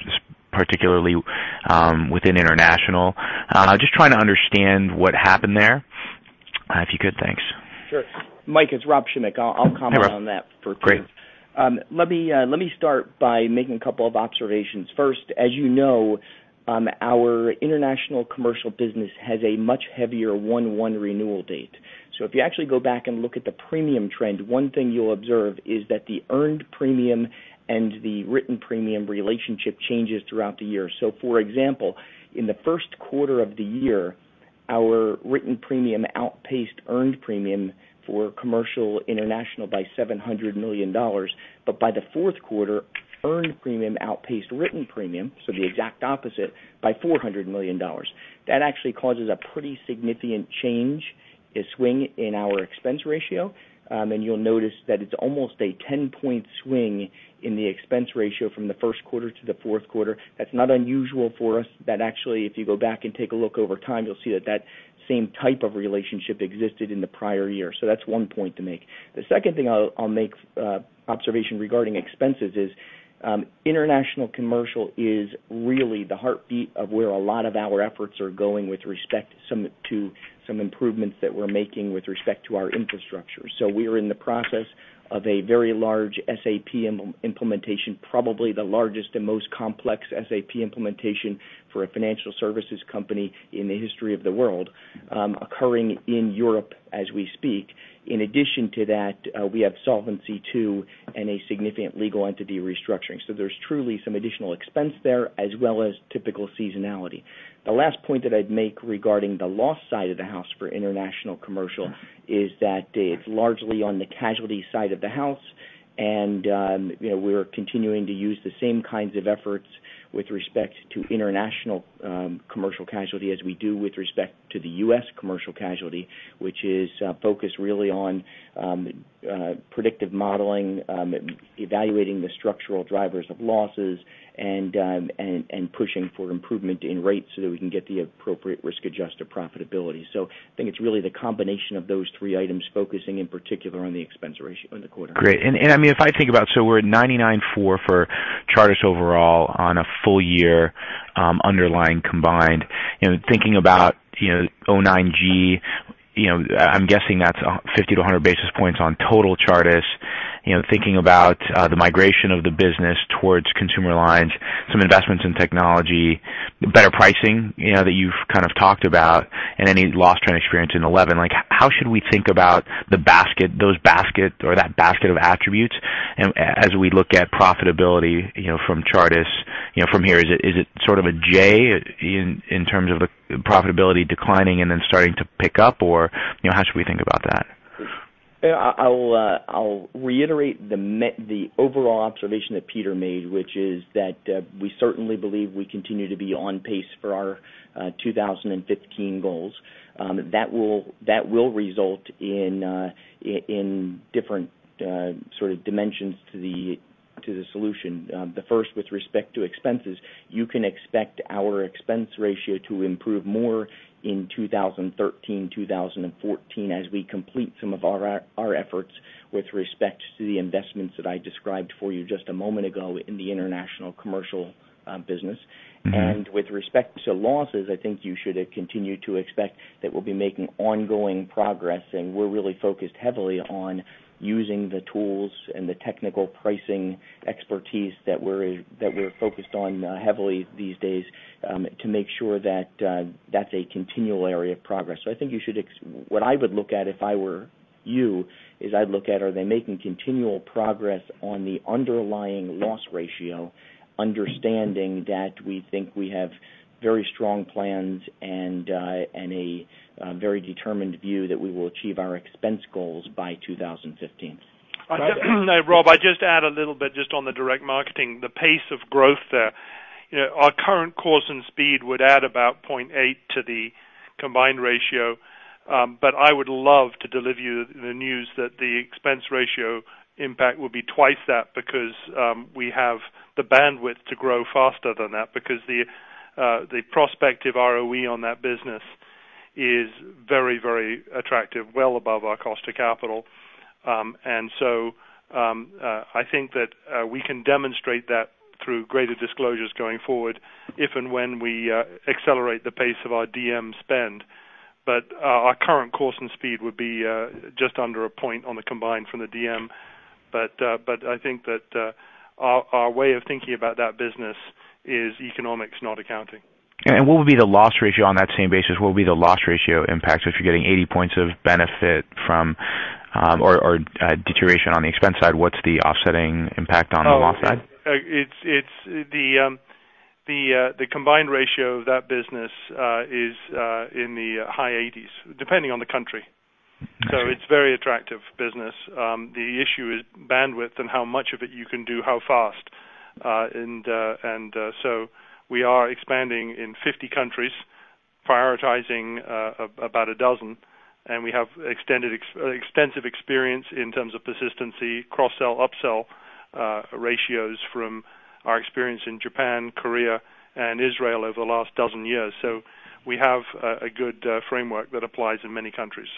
particularly within international. Just trying to understand what happened there, if you could. Thanks. Sure. Mike, it's Rob Schimek. I'll comment on that for Peter. Great. Let me start by making a couple of observations. First, as you know, our international commercial business has a much heavier one-one renewal date. If you actually go back and look at the premium trend, one thing you'll observe is that the earned premium and the written premium relationship changes throughout the year. For example, in the first quarter of the year, our written premium outpaced earned premium for commercial international by $700 million. By the fourth quarter, earned premium outpaced written premium, the exact opposite, by $400 million. That actually causes a pretty significant change, a swing in our expense ratio. You'll notice that it's almost a 10-point swing in the expense ratio from the first quarter to the fourth quarter. That's not unusual for us. That actually, if you go back and take a look over time, you'll see that that same type of relationship existed in the prior year. That's one point to make. The second thing I'll make observation regarding expenses is international commercial is really the heartbeat of where a lot of our efforts are going with respect to some improvements that we're making with respect to our infrastructure. We are in the process of a very large SAP implementation, probably the largest and most complex SAP implementation for a financial services company in the history of the world, occurring in Europe as we speak. In addition to that, we have Solvency II and a significant legal entity restructuring. There's truly some additional expense there, as well as typical seasonality. The last point that I'd make regarding the loss side of the house for international commercial is that it's largely on the casualty side of the house, and we're continuing to use the same kinds of efforts with respect to international commercial casualty as we do with respect to the U.S. commercial casualty, which is focused really on predictive modeling, evaluating the structural drivers of losses, and pushing for improvement in rates so that we can get the appropriate risk-adjusted profitability. I think it's really the combination of those three items focusing in particular on the expense ratio in the quarter. Great. If I think about it, we're at 99.4 for Chartis overall on a full-year underlying combined. Thinking about 09-G, I'm guessing that's 50 to 100 basis points on total Chartis. Thinking about the migration of the business towards consumer lines, some investments in technology, better pricing that you've kind of talked about, and any loss trend experience in 2011. How should we think about those baskets or that basket of attributes as we look at profitability from Chartis from here? Is it sort of a J in terms of the profitability declining and then starting to pick up? How should we think about that? I'll reiterate the overall observation that Peter made, which is that we certainly believe we continue to be on pace for our 2015 goals. That will result in different sort of dimensions to the solution. The first, with respect to expenses, you can expect our expense ratio to improve more in 2013, 2014 as we complete some of our efforts with respect to the investments that I described for you just a moment ago in the international commercial business. With respect to losses, I think you should continue to expect that we'll be making ongoing progress, and we're really focused heavily on using the tools and the technical pricing expertise that we're focused on heavily these days to make sure that that's a continual area of progress. I think what I would look at if I were you is I'd look at, are they making continual progress on the underlying loss ratio, understanding that we think we have very strong plans and a very determined view that we will achieve our expense goals by 2015. Rob, I just add a little bit just on the direct marketing, the pace of growth there. Our current course and speed would add about 0.8 to the combined ratio. I would love to deliver you the news that the expense ratio impact will be twice that because we have the bandwidth to grow faster than that because the prospective ROE on that business is very attractive, well above our cost to capital. I think that we can demonstrate that through greater disclosures going forward if and when we accelerate the pace of our DM spend. Our current course and speed would be just under a point on the combined from the DM. I think that our way of thinking about that business is economics, not accounting. What would be the loss ratio on that same basis? What would be the loss ratio impact? If you're getting 80 points of benefit from or deterioration on the expense side, what's the offsetting impact on the loss side? The combined ratio of that business is in the high 80s, depending on the country. Okay. It's very attractive business. The issue is bandwidth and how much of it you can do, how fast. We are expanding in 50 countries, prioritizing about 12, and we have extensive experience in terms of persistency, cross-sell, up-sell ratios from our experience in Japan, Korea, and Israel over the last 12 years. We have a good framework that applies in many countries.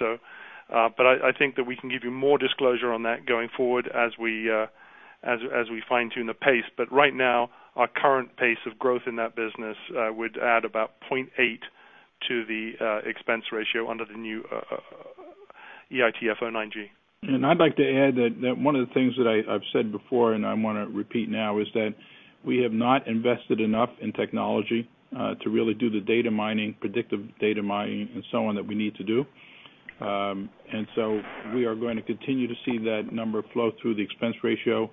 I think that we can give you more disclosure on that going forward as we fine-tune the pace. Right now, our current pace of growth in that business would add about 0.8% to the expense ratio under the new EITF 09-G. I'd like to add that one of the things that I've said before, and I want to repeat now is that we have not invested enough in technology to really do the predictive data mining and so on that we need to do. We are going to continue to see that number flow through the expense ratio.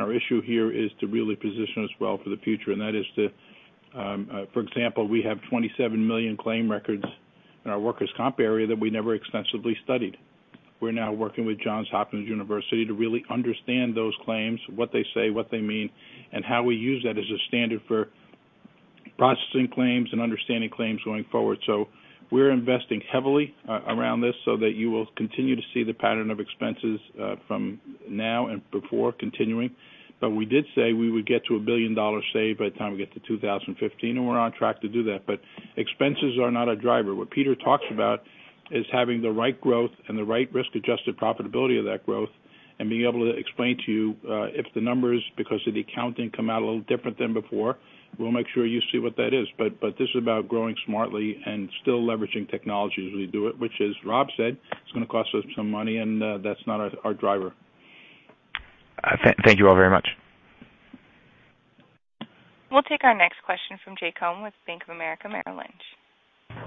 Our issue here is to really position us well for the future. For example, we have 27 million claim records in our workers' comp area that we never extensively studied. We're now working with Johns Hopkins University to really understand those claims, what they say, what they mean, and how we use that as a standard for processing claims and understanding claims going forward. We're investing heavily around this so that you will continue to see the pattern of expenses from now and before continuing. We did say we would get to a $1 billion save by the time we get to 2015, and we're on track to do that. Expenses are not a driver. What Peter talks about is having the right growth and the right risk-adjusted profitability of that growth and being able to explain to you if the numbers, because of the accounting, come out a little different than before. We'll make sure you see what that is. This is about growing smartly and still leveraging technology as we do it, which as Rob said, it's going to cost us some money, and that's not our driver. Thank you all very much. We'll take our next question from Jay Cohen with Bank of America Merrill Lynch.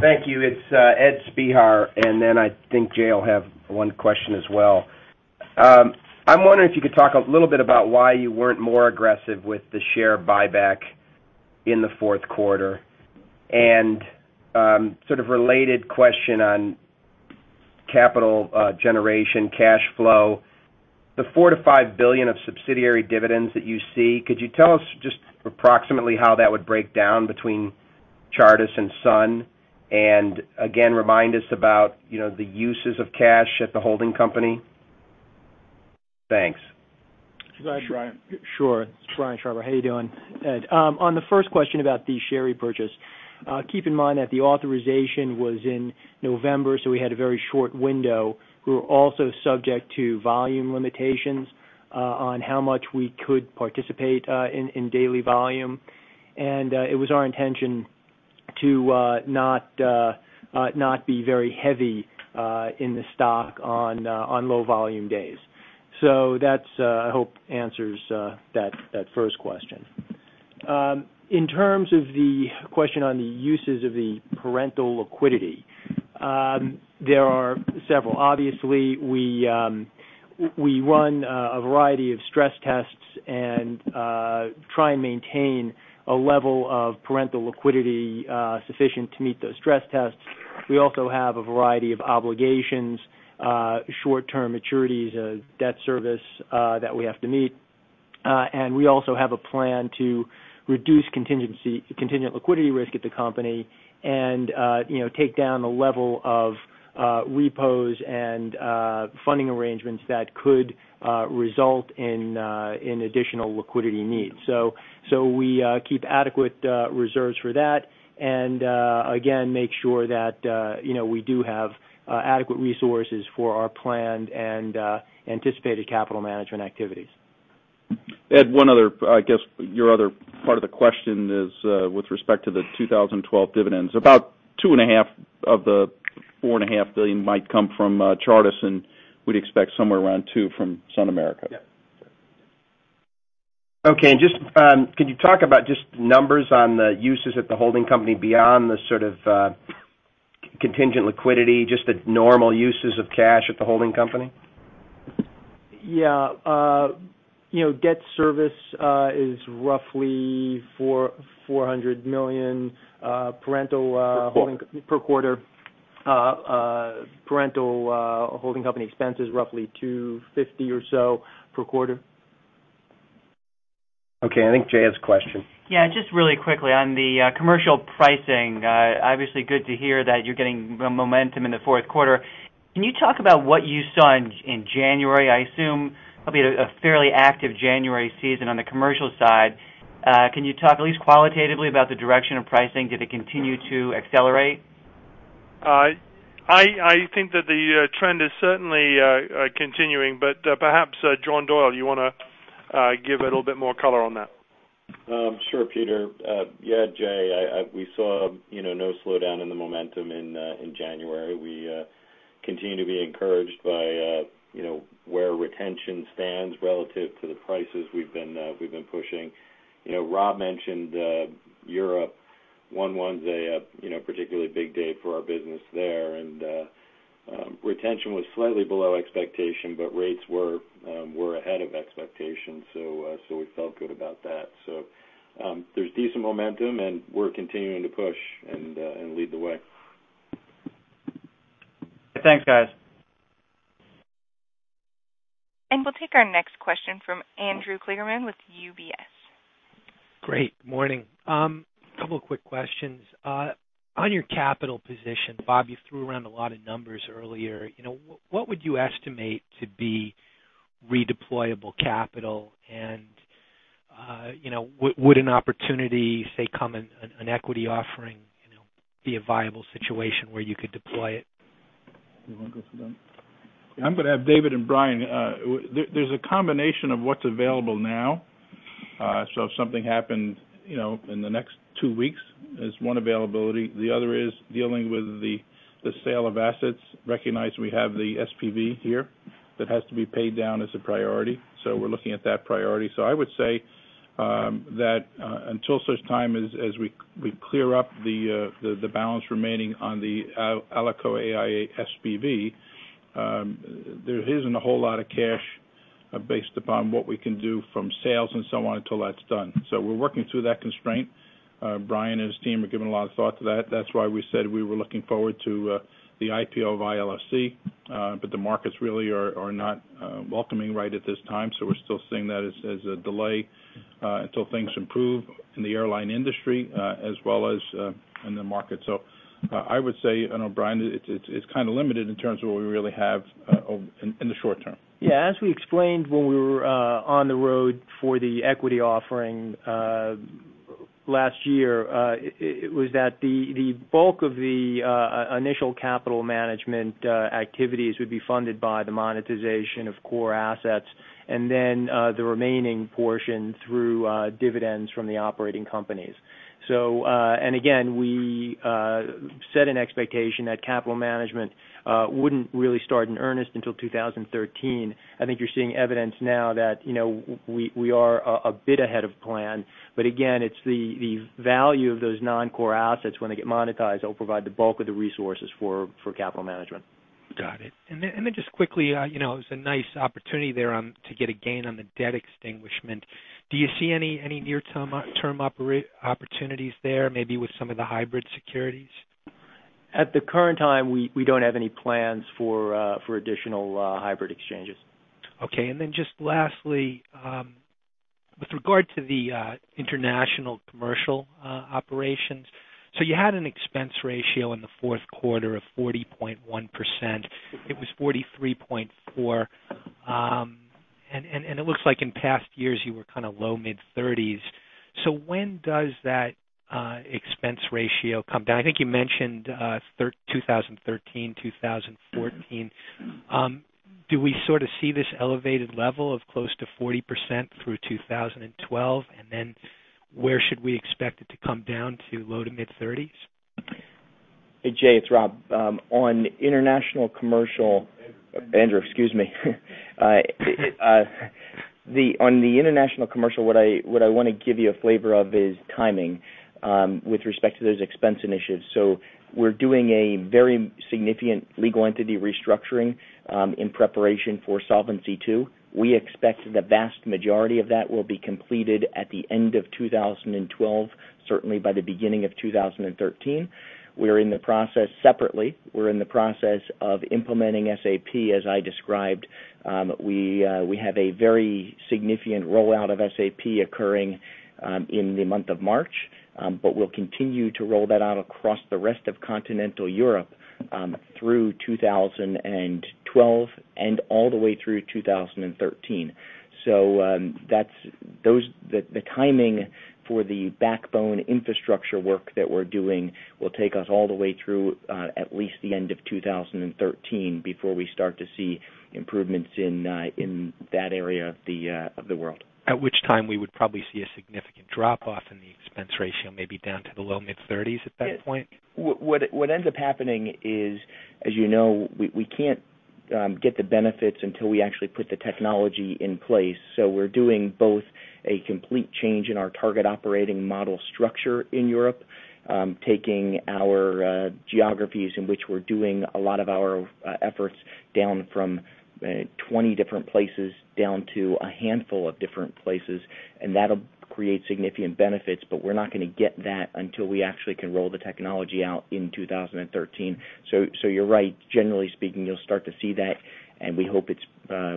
Thank you. It's Ed Spehar. I think Jay will have one question as well. I'm wondering if you could talk a little bit about why you weren't more aggressive with the share buyback in the fourth quarter. Sort of related question on capital generation cash flow. The $4 billion-$5 billion of subsidiary dividends that you see, could you tell us just approximately how that would break down between Chartis and Sun? Again, remind us about the uses of cash at the holding company. Thanks. Go ahead, Brian. Sure. It's Brian Schreiber. How you doing, Ed? On the first question about the share repurchase, keep in mind that the authorization was in November, so we had a very short window. We were also subject to volume limitations on how much we could participate in daily volume. It was our intention to not be very heavy in the stock on low-volume days. That, I hope, answers that first question. In terms of the question on the uses of the parental liquidity, there are several. Obviously, we run a variety of stress tests and try and maintain a level of parental liquidity sufficient to meet those stress tests. We also have a variety of obligations, short-term maturities, debt service that we have to meet. We also have a plan to reduce contingent liquidity risk at the company and take down the level of repos and funding arrangements that could result in additional liquidity needs. We keep adequate reserves for that and again, make sure that we do have adequate resources for our planned and anticipated capital management activities. Ed, I guess your other part of the question is with respect to the 2012 dividends. About two and a half of the four and a half billion might come from Chartis, and we'd expect somewhere around two from SunAmerica. Yeah. Okay. Can you talk about just numbers on the uses at the holding company beyond the sort of contingent liquidity, just the normal uses of cash at the holding company? Debt service is roughly $400 million parental- Per quarter per quarter. Parental holding company expense is roughly $250 or so per quarter. Okay. I think Jay has a question. Yeah. Just really quickly on the commercial pricing. Obviously, good to hear that you're getting momentum in the fourth quarter. Can you talk about what you saw in January? I assume probably a fairly active January season on the commercial side. Can you talk at least qualitatively about the direction of pricing? Did it continue to accelerate? I think that the trend is certainly continuing, but perhaps, John Doyle, you want to give a little bit more color on that? Sure, Peter. Yeah, Jay, we saw no slowdown in the momentum in January. We continue to be encouraged by where retention stands relative to the prices we've been pushing. Rob mentioned Europe. One-one a particularly big day for our business there, and retention was slightly below expectation, but rates were ahead of expectations, so we felt good about that. There's decent momentum, and we're continuing to push and lead the way. Thanks, guys. We'll take our next question from Andrew Kligerman with UBS. Great. Morning. Couple of quick questions. On your capital position, Bob, you threw around a lot of numbers earlier. What would you estimate to be redeployable capital? Would an opportunity, say, come in an equity offering, be a viable situation where you could deploy it? You want to go for that one? I'm going to have David and Brian. There's a combination of what's available now. If something happened in the next two weeks, is one availability. The other is dealing with the sale of assets. Recognize we have the SPV here that has to be paid down as a priority. We're looking at that priority. I would say that until such time as we clear up the balance remaining on the ALICO AIA SPV, there isn't a whole lot of cash based upon what we can do from sales and so on until that's done. We're working through that constraint. Brian and his team are giving a lot of thought to that. That's why we said we were looking forward to the IPO of ILFC. The markets really are not welcoming right at this time, we're still seeing that as a delay until things improve in the airline industry as well as in the market. I would say, I know Brian, it's kind of limited in terms of what we really have in the short term. Yeah. As we explained when we were on the road for the equity offering last year, it was that the bulk of the initial capital management activities would be funded by the monetization of core assets and then the remaining portion through dividends from the operating companies. Again, we set an expectation that capital management wouldn't really start in earnest until 2013. I think you're seeing evidence now that we are a bit ahead of plan. Again, it's the value of those non-core assets when they get monetized that will provide the bulk of the resources for capital management. Got it. Then just quickly, it was a nice opportunity there to get a gain on the debt extinguishment. Do you see any near-term opportunities there, maybe with some of the hybrid securities? At the current time, we don't have any plans for additional hybrid exchanges. Okay. Then just lastly, with regard to the international commercial operations. You had an expense ratio in the fourth quarter of 40.1%. It was 43.4%. When does that expense ratio come down? I think you mentioned 2013, 2014. Do we sort of see this elevated level of close to 40% through 2012? Then where should we expect it to come down to low- to mid-30s? Hey, Jay, it's Rob. Andrew, excuse me. On the international commercial, what I want to give you a flavor of is timing with respect to those expense initiatives. We're doing a very significant legal entity restructuring in preparation for Solvency II. We expect the vast majority of that will be completed at the end of 2012, certainly by the beginning of 2013. Separately, we're in the process of implementing SAP, as I described. We have a very significant rollout of SAP occurring in the month of March. We'll continue to roll that out across the rest of Continental Europe through 2012 and all the way through 2013. The timing for the backbone infrastructure work that we're doing will take us all the way through at least the end of 2013 before we start to see improvements in that area of the world. At which time we would probably see a significant drop-off in the expense ratio, maybe down to the low mid-30s at that point? What ends up happening is, as you know, we can't get the benefits until we actually put the technology in place. We're doing both a complete change in our target operating model structure in Europe, taking our geographies in which we're doing a lot of our efforts down from 20 different places down to a handful of different places. That'll create significant benefits, we're not going to get that until we actually can roll the technology out in 2013. You're right. Generally speaking, you'll start to see that,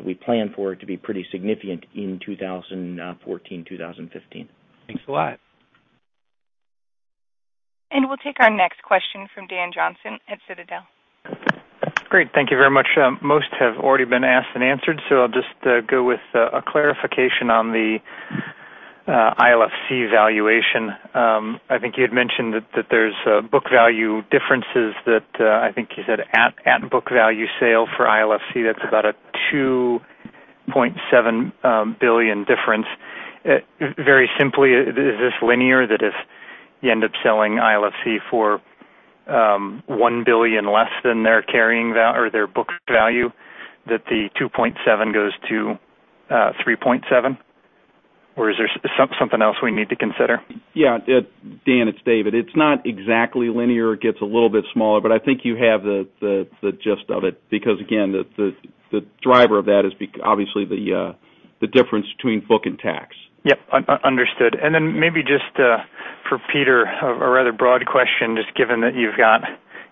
we plan for it to be pretty significant in 2014, 2015. Thanks a lot. We'll take our next question from Dan Johnson at Citadel. Great. Thank you very much. Most have already been asked and answered, so I'll just go with a clarification on the ILFC valuation. I think you had mentioned that there's book value differences that, I think you said, at book value sale for ILFC, that's about a $2.7 billion difference. Very simply, is this linear that if you end up selling ILFC for $1 billion less than their carrying value or their book value, that the $2.7 goes to $3.7? Is there something else we need to consider? Yeah. Dan, it's David. It's not exactly linear. It gets a little bit smaller, but I think you have the gist of it because, again, the driver of that is obviously the difference between book and tax. Yep. Understood. Maybe just for Peter, a rather broad question, just given that you've got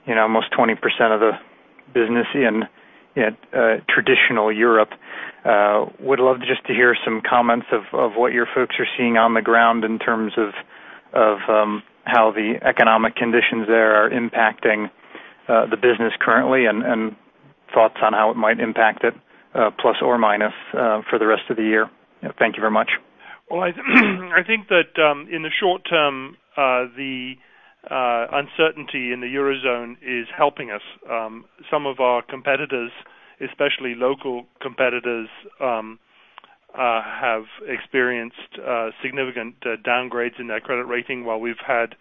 almost 20% of the business in traditional Europe. Would love just to hear some comments of what your folks are seeing on the ground in terms of how the economic conditions there are impacting the business currently, and thoughts on how it might impact it, plus or minus, for the rest of the year. Thank you very much. Well, I think that in the short term, the uncertainty in the Eurozone is helping us. Some of our competitors, especially local competitors, have experienced significant downgrades in their credit rating while we've had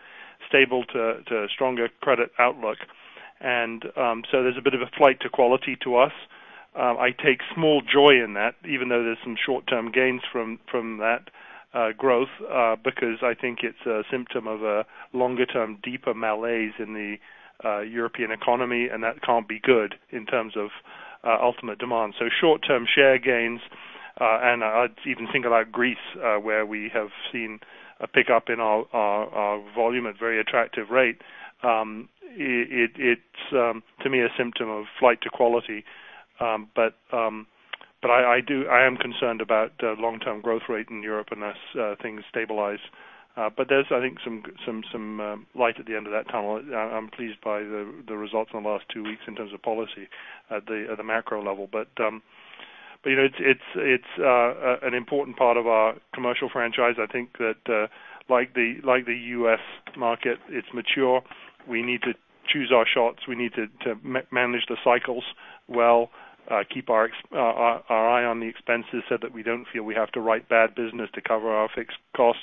stable to stronger credit outlook. There's a bit of a flight to quality to us. I take small joy in that, even though there's some short-term gains from that growth because I think it's a symptom of a longer-term, deeper malaise in the European economy, and that can't be good in terms of ultimate demand. Short-term share gains, and I'd even think about Greece, where we have seen a pickup in our volume at very attractive rate. It's, to me, a symptom of flight to quality. I am concerned about the long-term growth rate in Europe unless things stabilize. There's, I think, some light at the end of that tunnel. I'm pleased by the results in the last two weeks in terms of policy at the macro level. It's an important part of our commercial franchise. I think that like the U.S. market, it's mature. We need to choose our shots. We need to manage the cycles well, keep our eye on the expenses so that we don't feel we have to write bad business to cover our fixed costs.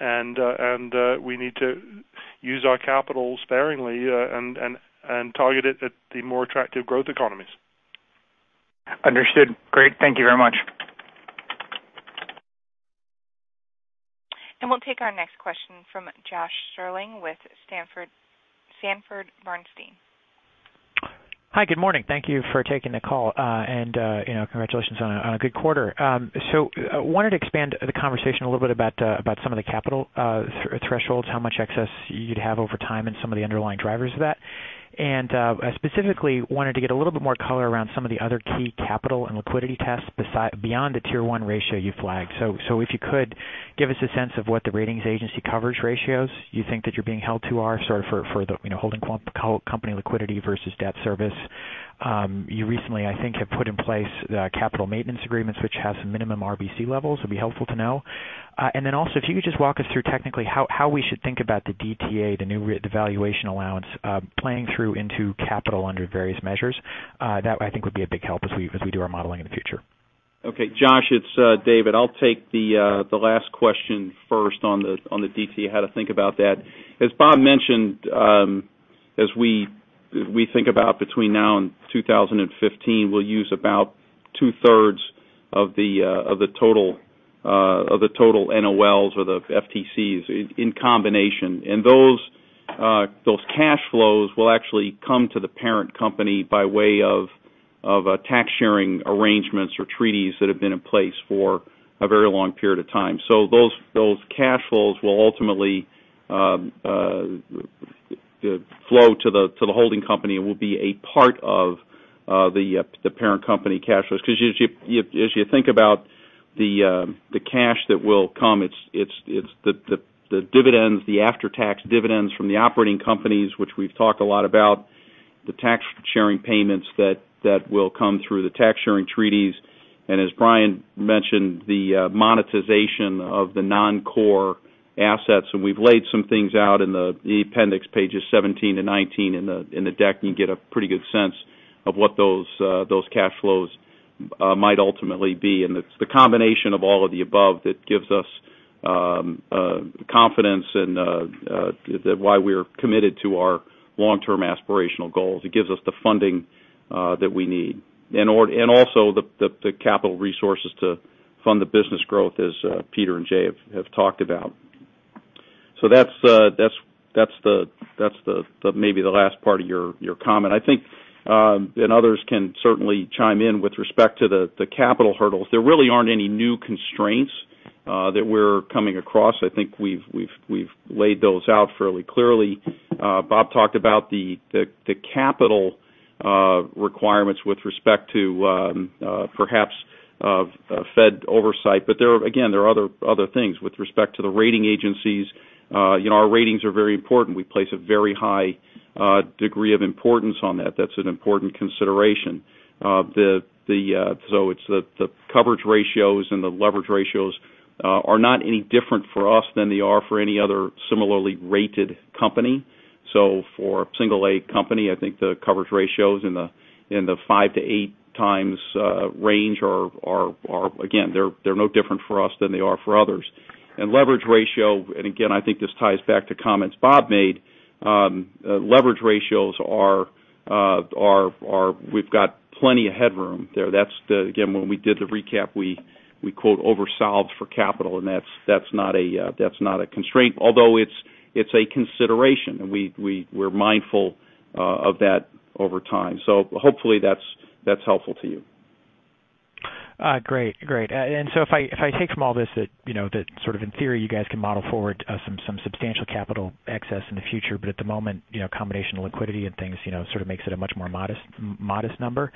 We need to use our capital sparingly and target it at the more attractive growth economies. Understood. Great. Thank you very much. We'll take our next question from Josh Stirling with Sanford C. Bernstein. Hi, good morning. Thank you for taking the call. Congratulations on a good quarter. Wanted to expand the conversation a little bit about some of the capital thresholds, how much excess you'd have over time, and some of the underlying drivers of that. I specifically wanted to get a little bit more color around some of the other key capital and liquidity tests beyond the Tier 1 ratio you flagged. If you could give us a sense of what the ratings agency coverage ratios you think that you're being held to are. Sorry for the holding company liquidity versus debt service. You recently, I think, have put in place the capital maintenance agreements, which have some minimum RBC levels. It'd be helpful to know. Also, if you could just walk us through technically how we should think about the DTA, the new valuation allowance, planning through into capital under various measures. That I think would be a big help as we do our modeling in the future. Okay, Josh, it's David Herzog. I'll take the last question first on the DTA, how to think about that. As Robert Benmosche mentioned, as we think about between now and 2015, we'll use about two-thirds of the total NOLs or the FTCs in combination. Those cash flows will actually come to the parent company by way of tax sharing arrangements or treaties that have been in place for a very long period of time. Those cash flows will ultimately flow to the holding company and will be a part of the parent company cash flows. Because as you think about the cash that will come, it's the dividends, the after-tax dividends from the operating companies, which we've talked a lot about. The tax sharing payments that will come through the tax sharing treaties. As Brian Schreiber mentioned, the monetization of the non-core assets. We've laid some things out in the appendix, pages 17 to 19 in the deck, and you get a pretty good sense of what those cash flows might ultimately be. It's the combination of all of the above that gives us Confidence and why we're committed to our long-term aspirational goals. It gives us the funding that we need, and also the capital resources to fund the business growth as Peter and Jay have talked about. That's maybe the last part of your comment. I think, and others can certainly chime in with respect to the capital hurdles. There really aren't any new constraints that we're coming across. I think we've laid those out fairly clearly. Bob talked about the capital requirements with respect to perhaps Fed oversight. Again, there are other things with respect to the rating agencies. Our ratings are very important. We place a very high degree of importance on that. That's an important consideration. The coverage ratios and the leverage ratios are not any different for us than they are for any other similarly rated company. For a single A company, I think the coverage ratio is in the 5 to 8 times range or again, they're no different for us than they are for others. Leverage ratio, and again, I think this ties back to comments Bob made. Leverage ratios, we've got plenty of headroom there. That's, again, when we did the recap, we over-solved for capital, and that's not a constraint, although it's a consideration, and we're mindful of that over time. Hopefully that's helpful to you. Great. If I take from all this that sort of in theory, you guys can model forward some substantial capital excess in the future, but at the moment, a combination of liquidity and things sort of makes it a much more modest number.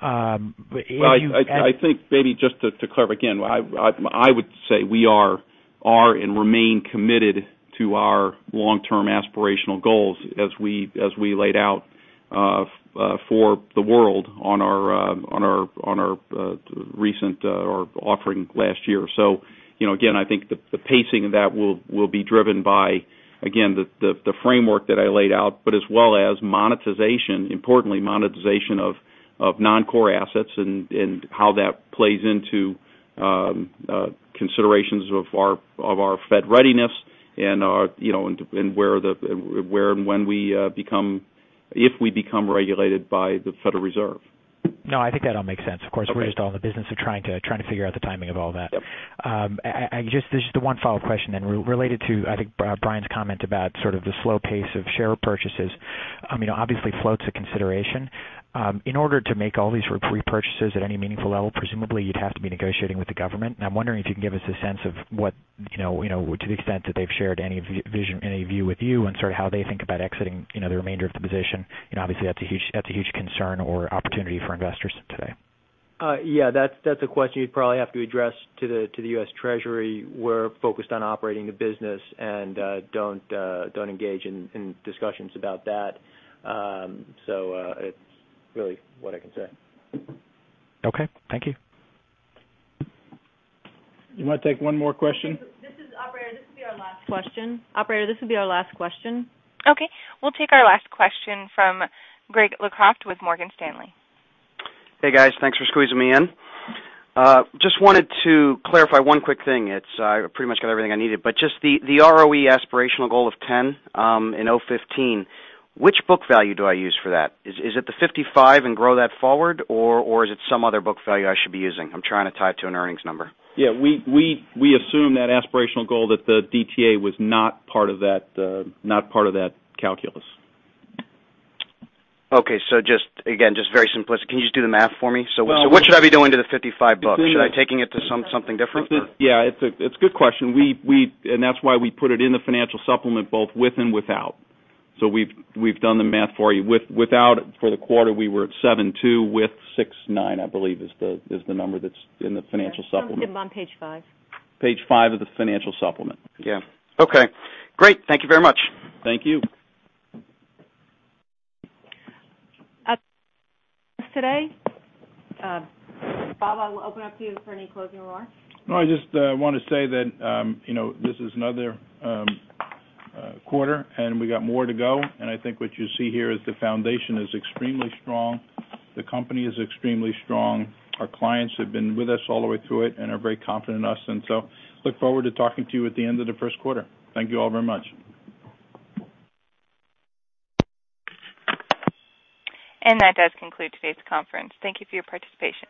I think maybe just to clarify again, I would say we are and remain committed to our long-term aspirational goals as we laid out for the world on our recent offering last year. Again, I think the pacing of that will be driven by, again, the framework that I laid out, but as well as monetization, importantly monetization of non-core assets and how that plays into considerations of our Fed readiness and where and when we become, if we become regulated by the Federal Reserve. No, I think that all makes sense. Of course, we're just all in the business of trying to figure out the timing of all that. Yep. Just one follow-up question related to, I think, Brian's comment about sort of the slow pace of share purchases. Obviously float's a consideration. In order to make all these sort of repurchases at any meaningful level, presumably you'd have to be negotiating with the government. I'm wondering if you can give us a sense of what to the extent that they've shared any view with you and sort of how they think about exiting the remainder of the position. Obviously that's a huge concern or opportunity for investors today. Yeah, that's a question you'd probably have to address to the U.S. Treasury. We're focused on operating the business and don't engage in discussions about that. It's really what I can say. Okay. Thank you. You want to take one more question? Operator, this will be our last question. Okay. We'll take our last question from Greg Locraft with Morgan Stanley. Hey, guys. Thanks for squeezing me in. Just wanted to clarify one quick thing. I pretty much got everything I needed, but just the ROE aspirational goal of 10 in 2015, which book value do I use for that? Is it the 55 and grow that forward, or is it some other book value I should be using? I'm trying to tie it to an earnings number. Yeah, we assume that aspirational goal that the DTA was not part of that calculus. Okay, just again, very simplistic. Can you just do the math for me? What should I be doing to the 55 books? Should I be taking it to something different? Yeah, it's a good question. That's why we put it in the financial supplement both with and without. We've done the math for you. Without for the quarter, we were at 7.2, with 6.9, I believe is the number that's in the financial supplement. It's on page five. Page five of the financial supplement. Yeah. Okay. Great. Thank you very much. Thank you. That is today. Bob, I will open up to you for any closing remarks. No, I just want to say that this is another quarter, and we got more to go. I think what you see here is the foundation is extremely strong. The company is extremely strong. Our clients have been with us all the way through it and are very confident in us. Look forward to talking to you at the end of the first quarter. Thank you all very much. That does conclude today's conference. Thank you for your participation.